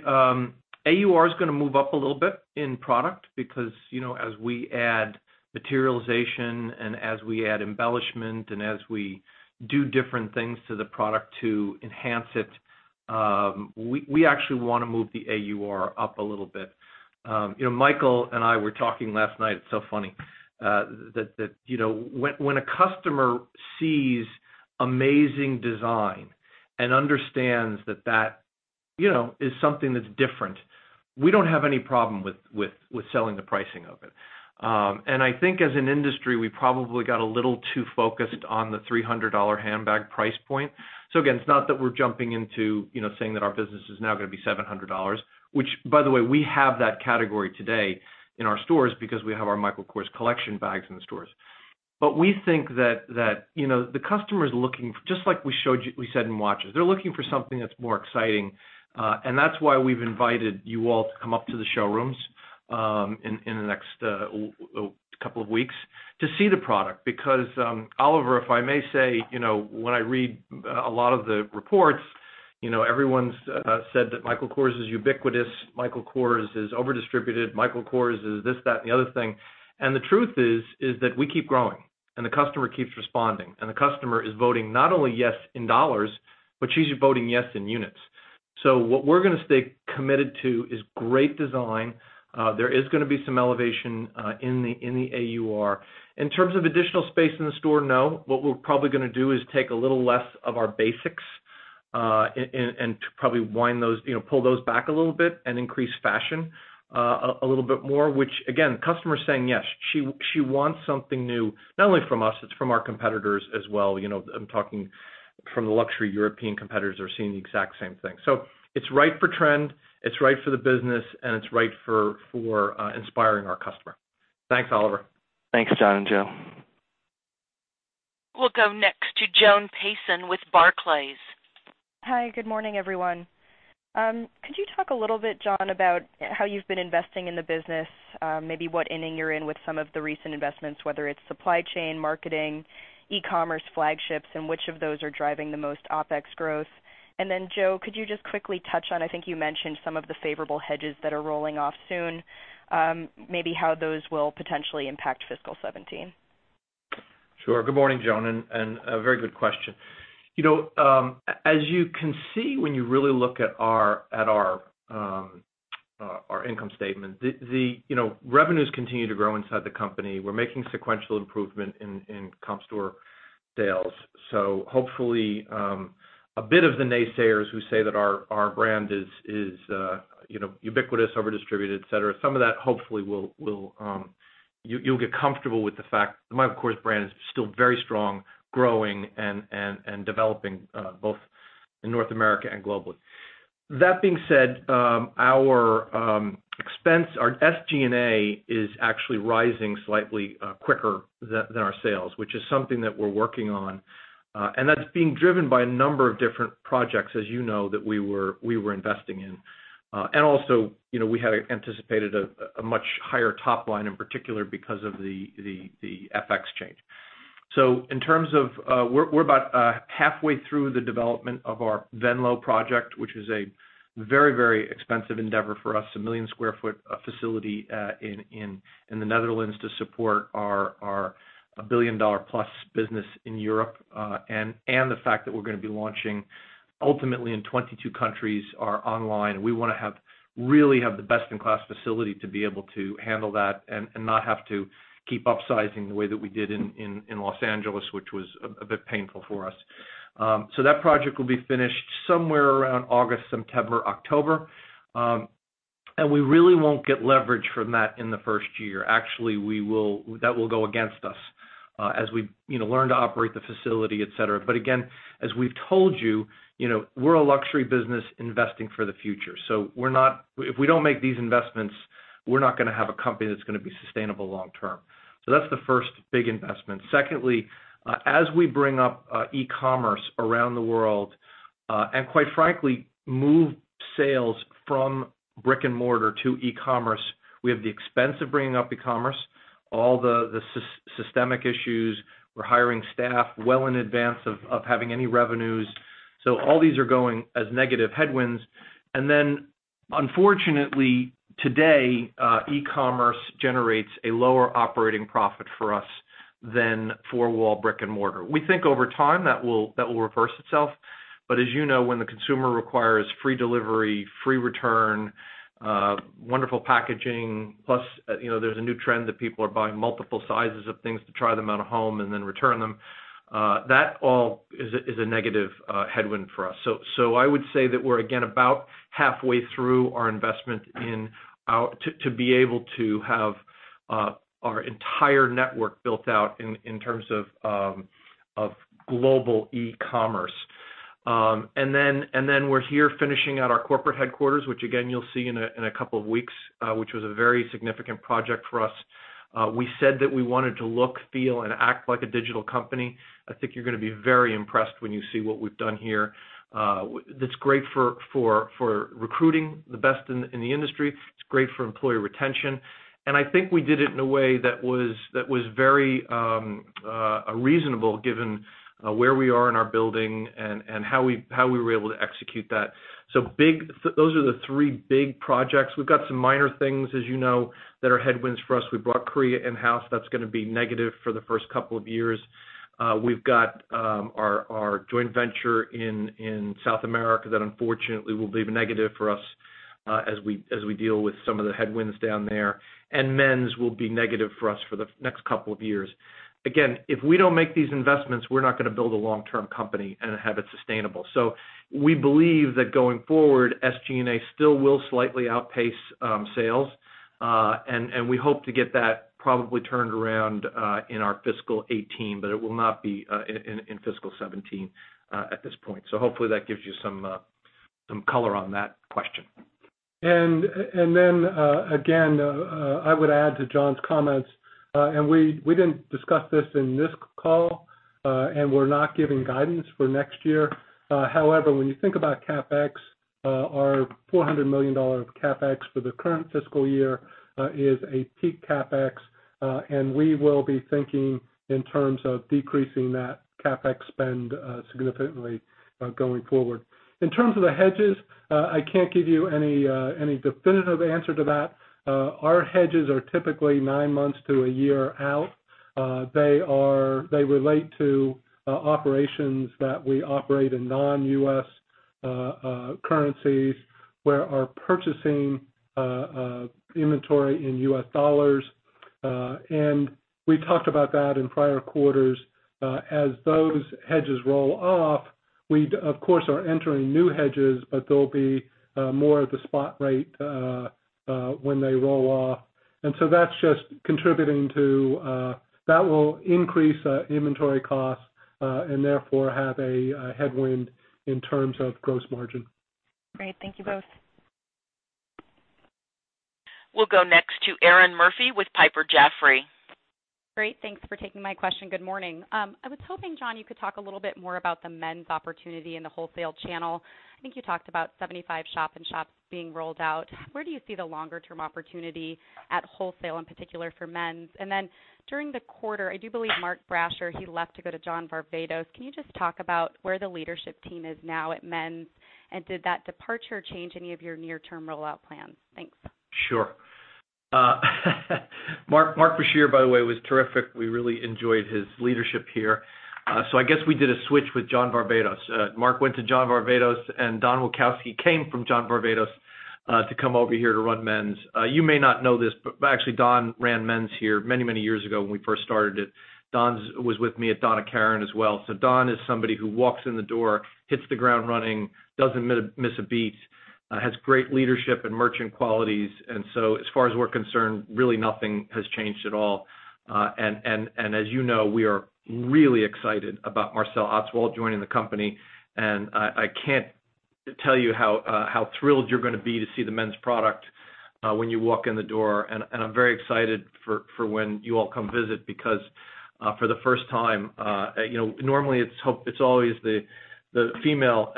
AUR is going to move up a little bit in product because, as we add materialization, and as we add embellishment, and as we do different things to the product to enhance it, we actually want to move the AUR up a little bit. Michael and I were talking last night. It's so funny. When a customer sees amazing design and understands that that is something that's different, we don't have any problem with selling the pricing of it. I think as an industry, we probably got a little too focused on the $300 handbag price point. Again, it's not that we're jumping into saying that our business is now going to be $700. Which, by the way, we have that category today in our stores because we have our Michael Kors collection bags in the stores. We think that the customer's looking, just like we said in watches, they're looking for something that's more exciting. That's why we've invited you all to come up to the showrooms in the next couple of weeks to see the product. Because, Oliver, if I may say, when I read a lot of the reports, everyone's said that Michael Kors is ubiquitous, Michael Kors is over-distributed, Michael Kors is this, that, and the other thing. The truth is that we keep growing, and the customer keeps responding. The customer is voting not only yes in dollars, but she's voting yes in units. What we're going to stay committed to is great design. There is going to be some elevation in the AUR. In terms of additional space in the store, no. What we're probably going to do is take a little less of our basics, and probably pull those back a little bit and increase fashion a little bit more. Which, again, customer's saying yes. She wants something new, not only from us, it's from our competitors as well. I'm talking from the luxury European competitors are seeing the exact same thing. It's right for trend, it's right for the business, and it's right for inspiring our customer. Thanks, Oliver. Thanks, John and Joe. We'll go next to Joan Payson with Barclays. Hi, good morning, everyone. Could you talk a little bit, John, about how you've been investing in the business? Maybe what inning you're in with some of the recent investments, whether it's supply chain, marketing, e-commerce flagships, and which of those are driving the most OpEx growth? Joe, could you just quickly touch on, I think you mentioned some of the favorable hedges that are rolling off soon, maybe how those will potentially impact fiscal 2017. Sure. Good morning, Joan, a very good question. As you can see when you really look at our income statement, the revenues continue to grow inside the company. We're making sequential improvement in comp store sales. Hopefully, a bit of the naysayers who say that our brand is ubiquitous, over-distributed, et cetera, some of that hopefully you'll get comfortable with the fact the Michael Kors brand is still very strong, growing, and developing both in North America and globally. That being said, our expense, our SG&A, is actually rising slightly quicker than our sales, which is something that we're working on. That's being driven by a number of different projects, as you know, that we were investing in. Also, we had anticipated a much higher top line in particular because of the FX change. In terms of, we're about halfway through the development of our Venlo project, which is a very, very expensive endeavor for us, a 1 million sq ft facility in the Netherlands to support our $1 billion-plus business in Europe, the fact that we're going to be launching ultimately in 22 countries are online. We want to really have the best-in-class facility to be able to handle that and not have to keep upsizing the way that we did in Los Angeles, which was a bit painful for us. That project will be finished somewhere around August, September, October. We really won't get leverage from that in the first year. Actually, that will go against us as we learn to operate the facility, et cetera. Again, as we've told you, we're a luxury business investing for the future. If we don't make these investments, we're not going to have a company that's going to be sustainable long term. That's the first big investment. Secondly, as we bring up e-commerce around the world, and quite frankly, move sales from brick and mortar to e-commerce, we have the expense of bringing up e-commerce, all the systemic issues. We're hiring staff well in advance of having any revenues. All these are going as negative headwinds. Unfortunately, today, e-commerce generates a lower operating profit for us than four-wall brick and mortar. We think over time that will reverse itself. As you know, when the consumer requires free delivery, free return, wonderful packaging, plus there's a new trend that people are buying multiple sizes of things to try them out at home and then return them. That all is a negative headwind for us. I would say that we're again about halfway through our investment to be able to have our entire network built out in terms of global e-commerce. We're here finishing out our corporate headquarters, which again, you'll see in a couple of weeks, which was a very significant project for us. We said that we wanted to look, feel, and act like a digital company. I think you're going to be very impressed when you see what we've done here. That's great for recruiting the best in the industry. It's great for employee retention. I think we did it in a way that was very reasonable given where we are in our building and how we were able to execute that. Those are the three big projects. We've got some minor things, as you know, that are headwinds for us. We brought Korea in-house. That's going to be negative for the first couple of years. We've got our joint venture in South America that unfortunately will be negative for us as we deal with some of the headwinds down there, and men's will be negative for us for the next couple of years. If we don't make these investments, we're not going to build a long-term company and have it sustainable. We believe that going forward, SG&A still will slightly outpace sales. We hope to get that probably turned around in our fiscal 2018, but it will not be in fiscal 2017 at this point. Hopefully that gives you some color on that question. Again, I would add to John's comments, we didn't discuss this in this call, we're not giving guidance for next year. However, when you think about CapEx, our $400 million of CapEx for the current fiscal year is a peak CapEx, and we will be thinking in terms of decreasing that CapEx spend significantly going forward. In terms of the hedges, I can't give you any definitive answer to that. Our hedges are typically nine months to a year out. They relate to operations that we operate in non-U.S. currencies where our purchasing inventory in U.S. dollars. We talked about that in prior quarters. As those hedges roll off, we of course are entering new hedges, but they'll be more at the spot rate when they roll off. That will increase inventory costs, and therefore have a headwind in terms of gross margin. Great. Thank you both. We'll go next to Erinn Murphy with Piper Jaffray. Great. Thanks for taking my question. Good morning. I was hoping, John, you could talk a little bit more about the men's opportunity in the wholesale channel. I think you talked about 75 shop-in-shops being rolled out. Where do you see the longer-term opportunity at wholesale, in particular for men's? During the quarter, I do believe Mark Brashear, he left to go to John Varvatos. Can you just talk about where the leadership team is now at men's? Did that departure change any of your near-term rollout plans? Thanks. Sure. Mark Brashear, by the way, was terrific. We really enjoyed his leadership here. I guess we did a switch with John Varvatos. Mark went to John Varvatos, and Don Witkowski came from John Varvatos to come over here to run men's. You may not know this, but actually, Don ran men's here many years ago when we first started it. Don was with me at Donna Karan as well. Don is somebody who walks in the door, hits the ground running, doesn't miss a beat, has great leadership and merchant qualities. As far as we're concerned, really nothing has changed at all. As you know, we are really excited about Marcel Ostwald joining the company. I can't tell you how thrilled you're going to be to see the men's product when you walk in the door. I'm very excited for when you all come visit because for the first time. Normally, it's always the female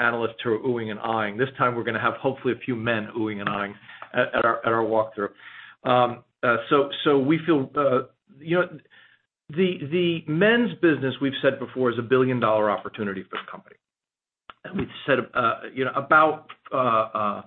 analysts who are oohing and aahing. This time we're going to have, hopefully, a few men oohing and aahing at our walkthrough. The men's business, we've said before, is a billion-dollar opportunity for the company. We've said about a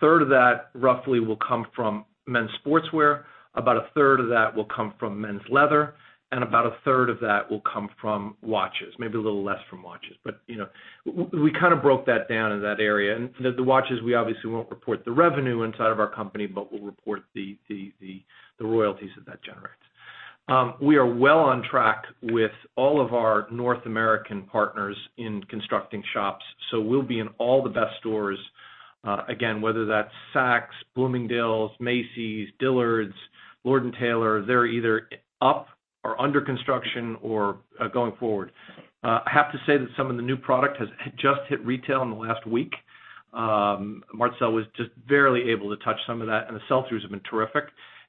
third of that roughly will come from men's sportswear, about a third of that will come from men's leather, and about a third of that will come from watches, maybe a little less from watches. We broke that down in that area. The watches, we obviously won't report the revenue inside of our company, but we'll report the royalties that that generates. We are well on track with all of our North American partners in constructing shops, we'll be in all the best stores. Again, whether that's Saks, Bloomingdale's, Macy's, Dillard's, Lord & Taylor, they're either up or under construction or going forward. I have to say that some of the new product has just hit retail in the last week. Marcel was just barely able to touch some of that, and the sell-throughs have been terrific.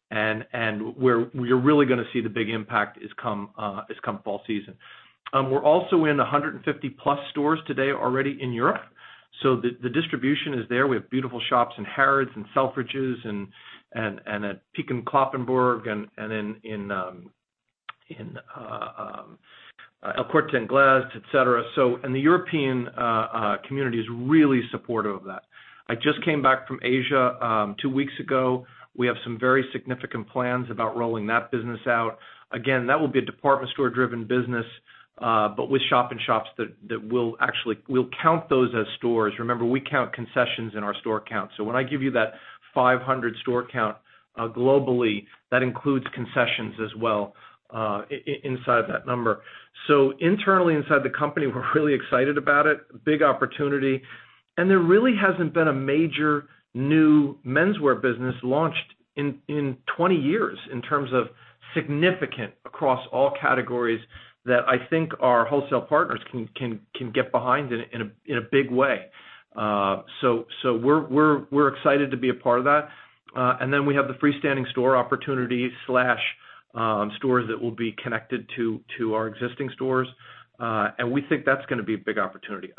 Where you're really going to see the big impact is come fall season. We're also in 150 plus stores today already in Europe. The distribution is there. We have beautiful shops in Harrods and Selfridges and at Peek & Cloppenburg and in El Corte Inglés, et cetera. The European community is really supportive of that. I just came back from Asia two weeks ago. We have some very significant plans about rolling that business out. Again, that will be a department store-driven business, but with shop-in-shops that we'll count those as stores. Remember, we count concessions in our store count. When I give you that 500 store count globally, that includes concessions as well inside that number. Internally inside the company, we're really excited about it. Big opportunity. There really hasn't been a major new menswear business launched in 20 years in terms of significant across all categories that I think our wholesale partners can get behind in a big way. We're excited to be a part of that. We have the freestanding store opportunities/stores that will be connected to our existing stores. We think that's going to be a big opportunity.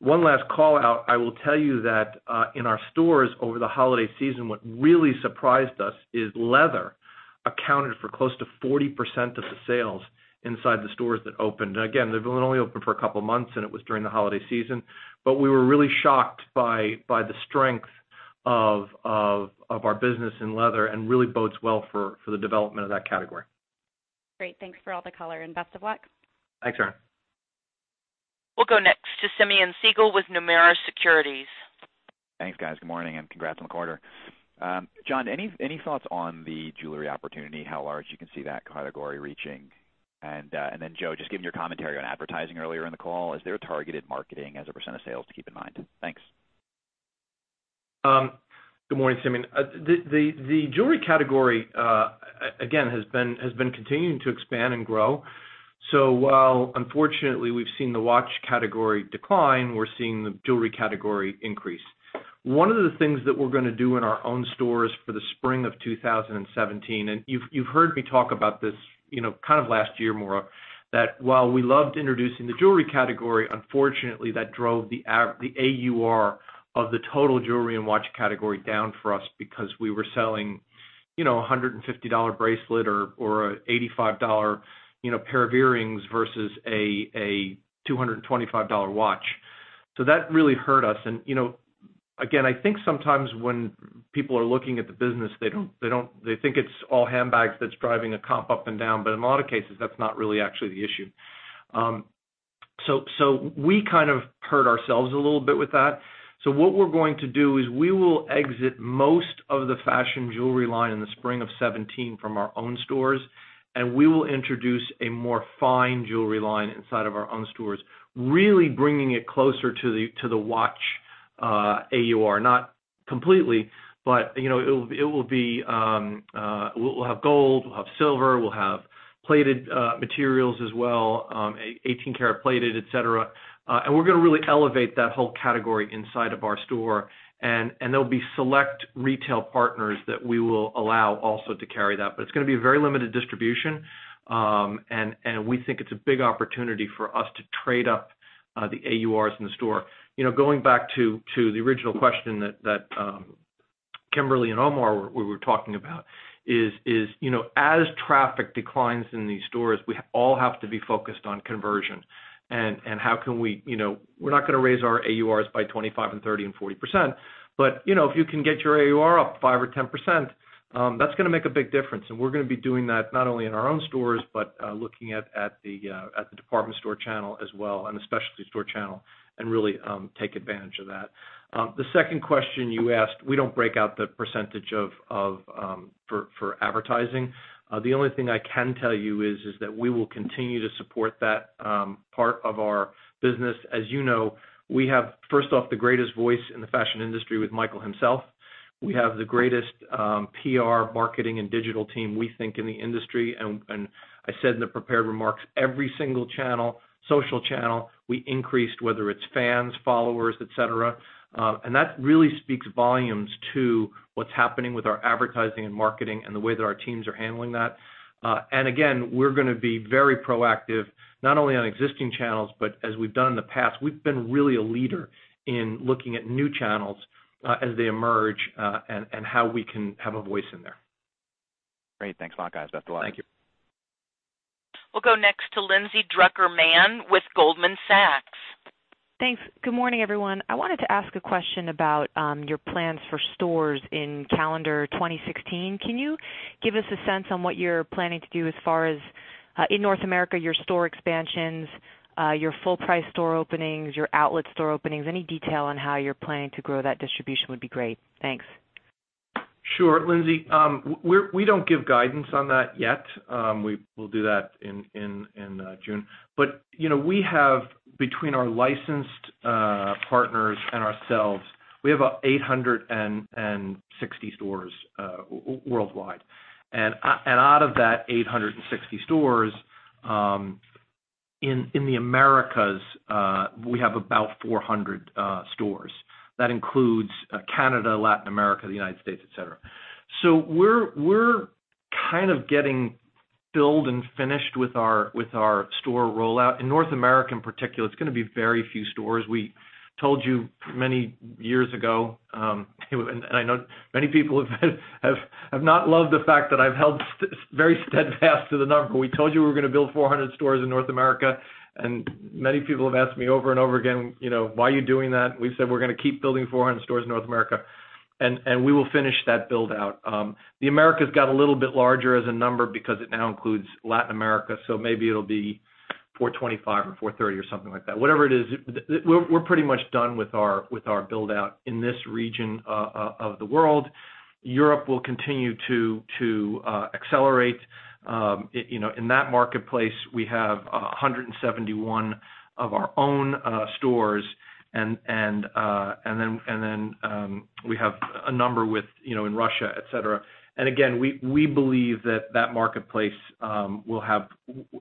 One last call-out. I will tell you that in our stores over the holiday season, what really surprised us is leather accounted for close to 40% of the sales inside the stores that opened. Again, they've been only open for a couple of months, and it was during the holiday season, but we were really shocked by the strength of our business in leather and really bodes well for the development of that category. Great. Thanks for all the color, and best of luck. Thanks, Erinn. We'll go next to Simeon Siegel with Nomura Securities. Thanks, guys. Good morning, and congrats on the quarter. John, any thoughts on the jewelry opportunity, how large you can see that category reaching? Then, Joe, just given your commentary on advertising earlier in the call, is there a targeted marketing as a % of sales to keep in mind? Thanks. Good morning, Simeon. The jewelry category, again, has been continuing to expand and grow. While unfortunately we've seen the watch category decline, we're seeing the jewelry category increase. One of the things that we're going to do in our own stores for the spring of 2017, and you've heard me talk about this last year, Mora, that while we loved introducing the jewelry category, unfortunately, that drove the AUR of the total jewelry and watch category down for us because we were selling a $150 bracelet or an $85 pair of earrings versus a $225 watch. That really hurt us. Again, I think sometimes when people are looking at the business, they think it's all handbags that's driving a comp up and down. In a lot of cases, that's not really actually the issue. We hurt ourselves a little bit with that. What we're going to do is we will exit most of the fashion jewelry line in the spring of 2017 from our own stores, and we will introduce a more fine jewelry line inside of our own stores, really bringing it closer to the watch AUR, not completely. We'll have gold, we'll have silver, we'll have plated materials as well, 18 karat plated, et cetera. We're going to really elevate that whole category inside of our store, and there'll be select retail partners that we will allow also to carry that. It's going to be a very limited distribution, and we think it's a big opportunity for us to trade up the AURs in the store. Going back to the original question that Kimberly and Omar were talking about is, as traffic declines in these stores, we all have to be focused on conversion. We're not going to raise our AURs by 25% and 30% and 40%, but if you can get your AUR up 5% or 10%, that's going to make a big difference. We're going to be doing that not only in our own stores, but looking at the department store channel as well, and the specialty store channel, and really take advantage of that. The second question you asked, we don't break out the percentage for advertising. The only thing I can tell you is that we will continue to support that part of our business. As you know, we have, first off, the greatest voice in the fashion industry with Michael himself. We have the greatest PR, marketing, and digital team, we think, in the industry. I said in the prepared remarks, every single channel, social channel, we increased, whether it's fans, followers, et cetera. That really speaks volumes to what's happening with our advertising and marketing and the way that our teams are handling that. Again, we're going to be very proactive, not only on existing channels, but as we've done in the past. We've been really a leader in looking at new channels as they emerge and how we can have a voice in there. Great. Thanks a lot, guys. Best of luck. Thank you. We'll go next to Lindsay Drucker Mann with Goldman Sachs. Thanks. Good morning, everyone. I wanted to ask a question about your plans for stores in calendar 2016. Can you give us a sense on what you're planning to do as far as in North America, your store expansions, your full price store openings, your outlet store openings? Any detail on how you're planning to grow that distribution would be great. Thanks. Sure, Lindsay. We don't give guidance on that yet. We'll do that in June. Between our licensed partners and ourselves, we have 860 stores worldwide. Out of that 860 stores, in the Americas, we have about 400 stores. That includes Canada, Latin America, the U.S., et cetera. We're kind of getting build and finished with our store rollout. In North America, in particular, it's going to be very few stores. We told you many years ago, and I know many people have not loved the fact that I've held very steadfast to the number. We told you we were going to build 400 stores in North America, and many people have asked me over and over again, "Why are you doing that?" We've said we're going to keep building 400 stores in North America, and we will finish that build-out. The Americas got a little bit larger as a number because it now includes Latin America, maybe it'll be 425 or 430 or something like that. Whatever it is, we're pretty much done with our build-out in this region of the world. Europe will continue to accelerate. In that marketplace, we have 171 of our own stores, then we have a number in Russia, et cetera. Again, we believe that that marketplace will have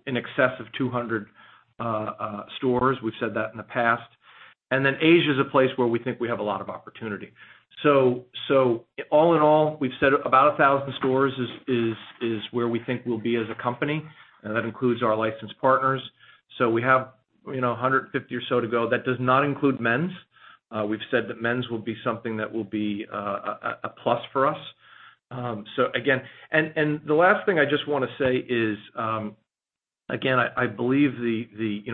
in excess of 200 stores. We've said that in the past. Asia is a place where we think we have a lot of opportunity. All in all, we've said about 1,000 stores is where we think we'll be as a company, and that includes our licensed partners. We have 150 or so to go. That does not include men's. We've said that men's will be something that will be a plus for us. The last thing I just want to say is,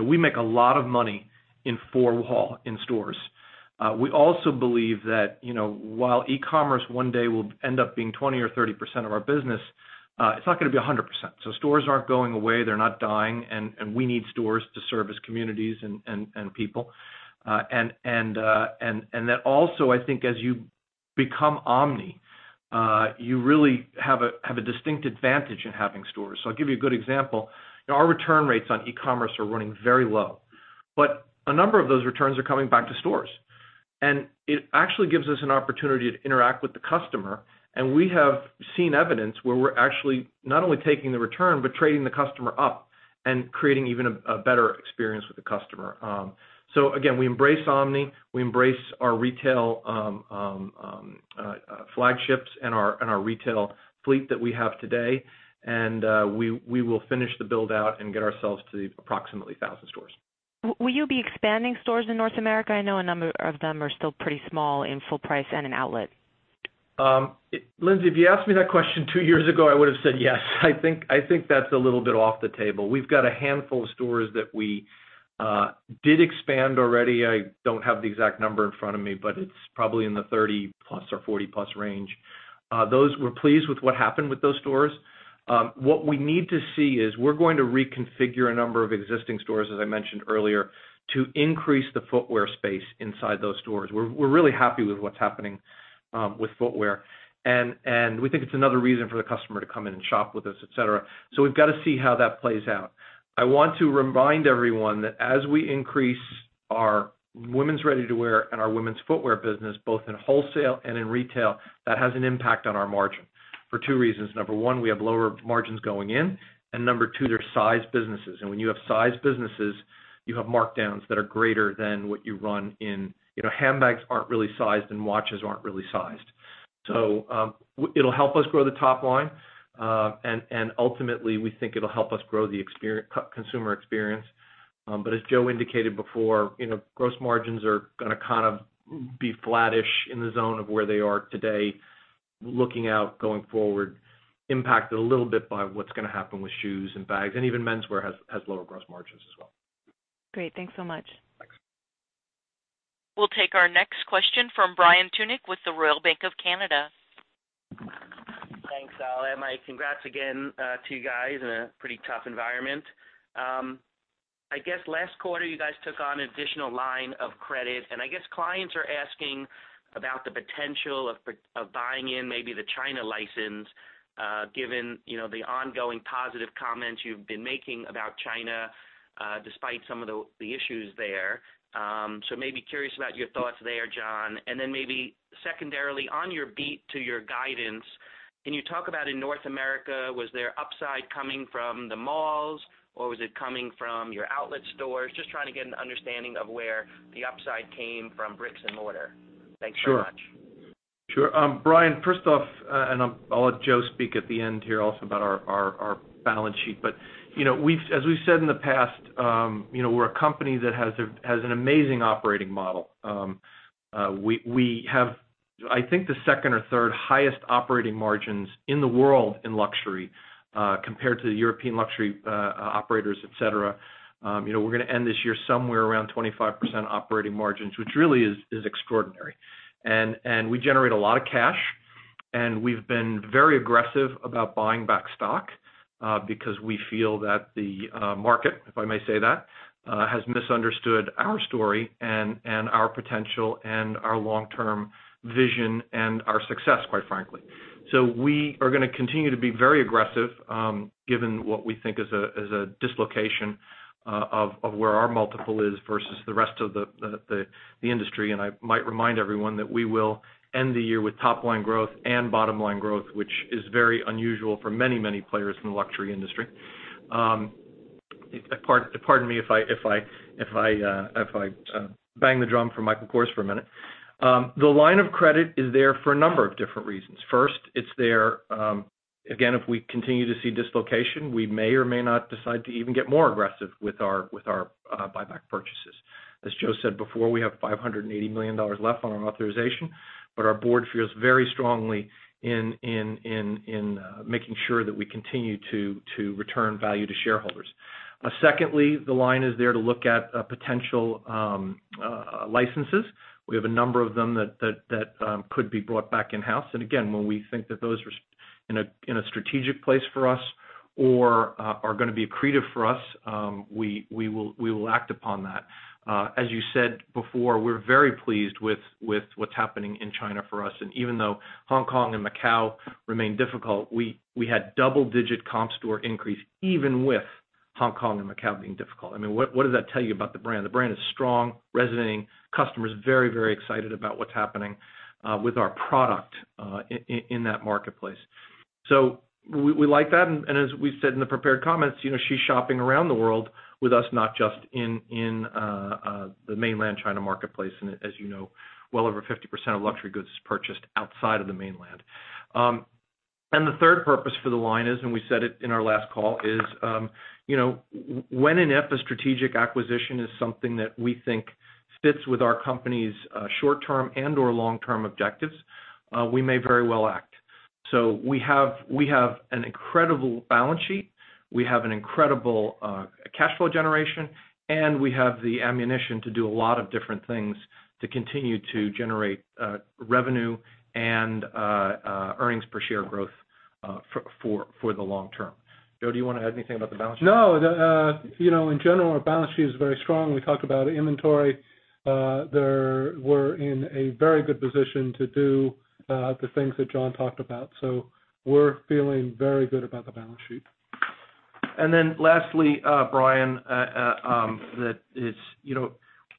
we make a lot of money in four-wall in stores. We also believe that while e-commerce one day will end up being 20% or 30% of our business, it's not going to be 100%. Stores aren't going away, they're not dying, and we need stores to serve as communities and people. Also, I think as you become omni, you really have a distinct advantage in having stores. I'll give you a good example. Our return rates on e-commerce are running very low, but a number of those returns are coming back to stores. It actually gives us an opportunity to interact with the customer, and we have seen evidence where we're actually not only taking the return, but trading the customer up and creating even a better experience with the customer. Again, we embrace omni, we embrace our retail flagships and our retail fleet that we have today, and we will finish the build-out and get ourselves to the approximately 1,000 stores. Will you be expanding stores in North America? I know a number of them are still pretty small in full price and in outlet. Lindsay, if you asked me that question two years ago, I would have said yes. I think that's a little bit off the table. We've got a handful of stores that we did expand already. I don't have the exact number in front of me, but it's probably in the 30-plus or 40-plus range. Those were pleased with what happened with those stores. What we need to see is we're going to reconfigure a number of existing stores, as I mentioned earlier, to increase the footwear space inside those stores. We're really happy with what's happening with footwear, and we think it's another reason for the customer to come in and shop with us, et cetera. We've got to see how that plays out. I want to remind everyone that as we increase our women's ready-to-wear and our women's footwear business, both in wholesale and in retail, that has an impact on our margin for two reasons. Number one, we have lower margins going in, and number two, they're sized businesses. When you have sized businesses, you have markdowns that are greater than what you run in. Handbags aren't really sized, and watches aren't really sized. It'll help us grow the top line. Ultimately, we think it'll help us grow the consumer experience. As Joe indicated before, gross margins are going to be flattish in the zone of where they are today, looking out, going forward, impacted a little bit by what's going to happen with shoes and bags, and even menswear has lower gross margins as well. Great. Thanks so much. Thanks. We'll take our next question from Brian Tunick with the Royal Bank of Canada. Thanks, [Al and Mike]. Congrats again to you guys in a pretty tough environment. I guess last quarter, you guys took on additional line of credit, and clients are asking about the potential of buying in maybe the China license, given the ongoing positive comments you've been making about China, despite some of the issues there. Maybe curious about your thoughts there, John. Secondarily, on your beat to your guidance, can you talk about in North America, was there upside coming from the malls, or was it coming from your outlet stores? Just trying to get an understanding of where the upside came from bricks and mortar. Thanks so much. Sure. Brian, first off, I'll let Joe speak at the end here also about our balance sheet. As we've said in the past, we're a company that has an amazing operating model. We have, I think, the second or third highest operating margins in the world in luxury compared to the European luxury operators, et cetera. We're going to end this year somewhere around 25% operating margins, which really is extraordinary. We generate a lot of cash, and we've been very aggressive about buying back stock because we feel that the market, if I may say that, has misunderstood our story and our potential and our long-term vision and our success, quite frankly. We are going to continue to be very aggressive, given what we think is a dislocation of where our multiple is versus the rest of the industry. I might remind everyone that we will end the year with top line growth and bottom line growth, which is very unusual for many players in the luxury industry. Pardon me if I bang the drum for Michael Kors for a minute. The line of credit is there for a number of different reasons. First, it's there, again, if we continue to see dislocation, we may or may not decide to even get more aggressive with our buyback purchases. As Joe said before, we have $580 million left on our authorization, our board feels very strongly in making sure that we continue to return value to shareholders. Secondly, the line is there to look at potential licenses. We have a number of them that could be brought back in-house. Again, when we think that those are in a strategic place for us or are going to be accretive for us, we will act upon that. As you said before, we're very pleased with what's happening in China for us. Even though Hong Kong and Macau remain difficult, we had double-digit comp store increase even with Hong Kong and Macau being difficult. What does that tell you about the brand? The brand is strong, resonating. Customers very excited about what's happening with our product in that marketplace. We like that, and as we said in the prepared comments, she's shopping around the world with us, not just in the mainland China marketplace. As you know, well over 50% of luxury goods is purchased outside of the mainland. The third purpose for the line is, and we said it in our last call, is when and if a strategic acquisition is something that we think fits with our company's short-term and/or long-term objectives, we may very well act. We have an incredible balance sheet. We have an incredible cash flow generation, and we have the ammunition to do a lot of different things to continue to generate revenue and earnings per share growth for the long term. Joe, do you want to add anything about the balance sheet? No. In general, our balance sheet is very strong. We talked about inventory. We're in a very good position to do the things that John talked about. We're feeling very good about the balance sheet. Lastly, Brian,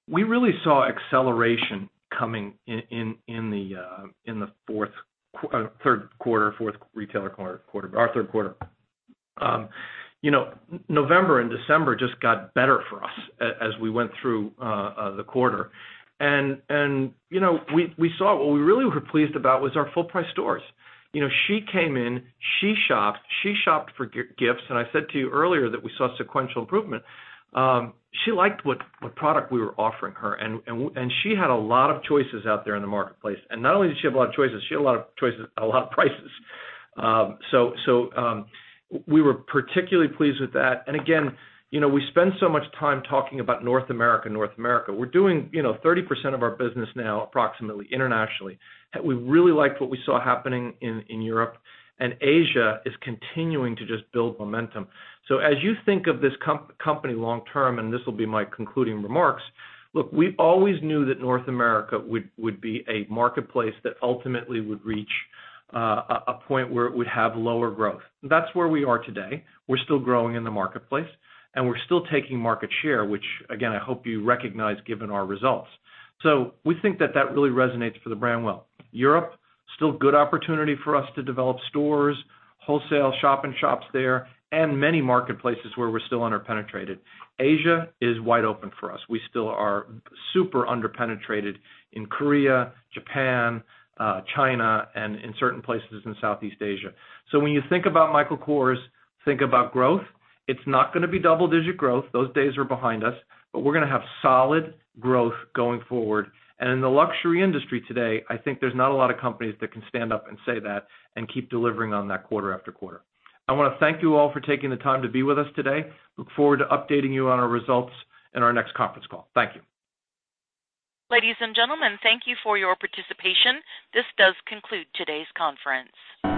we really saw acceleration coming in the third quarter, fourth retailer quarter-- our third quarter. November and December just got better for us as we went through the quarter. We saw what we really were pleased about was our full-price stores. She came in, she shopped. She shopped for gifts, and I said to you earlier that we saw sequential improvement. She liked what product we were offering her, and she had a lot of choices out there in the marketplace. Not only did she have a lot of choices, she had a lot of prices. We were particularly pleased with that. Again, we spend so much time talking about North America. We're doing 30% of our business now, approximately, internationally. We really liked what we saw happening in Europe, and Asia is continuing to just build momentum. As you think of this company long term, and this will be my concluding remarks, look, we always knew that North America would be a marketplace that ultimately would reach a point where it would have lower growth. That's where we are today. We're still growing in the marketplace, and we're still taking market share, which again, I hope you recognize, given our results. We think that that really resonates for the brand well. Europe, still good opportunity for us to develop stores, wholesale shop-in-shops there, and many marketplaces where we're still under-penetrated. Asia is wide open for us. We still are super under-penetrated in Korea, Japan, China, and in certain places in Southeast Asia. When you think about Michael Kors, think about growth. It's not going to be double-digit growth. Those days are behind us, but we're going to have solid growth going forward. In the luxury industry today, I think there's not a lot of companies that can stand up and say that and keep delivering on that quarter after quarter. I want to thank you all for taking the time to be with us today. Look forward to updating you on our results in our next conference call. Thank you. Ladies and gentlemen, thank you for your participation. This does conclude today's conference.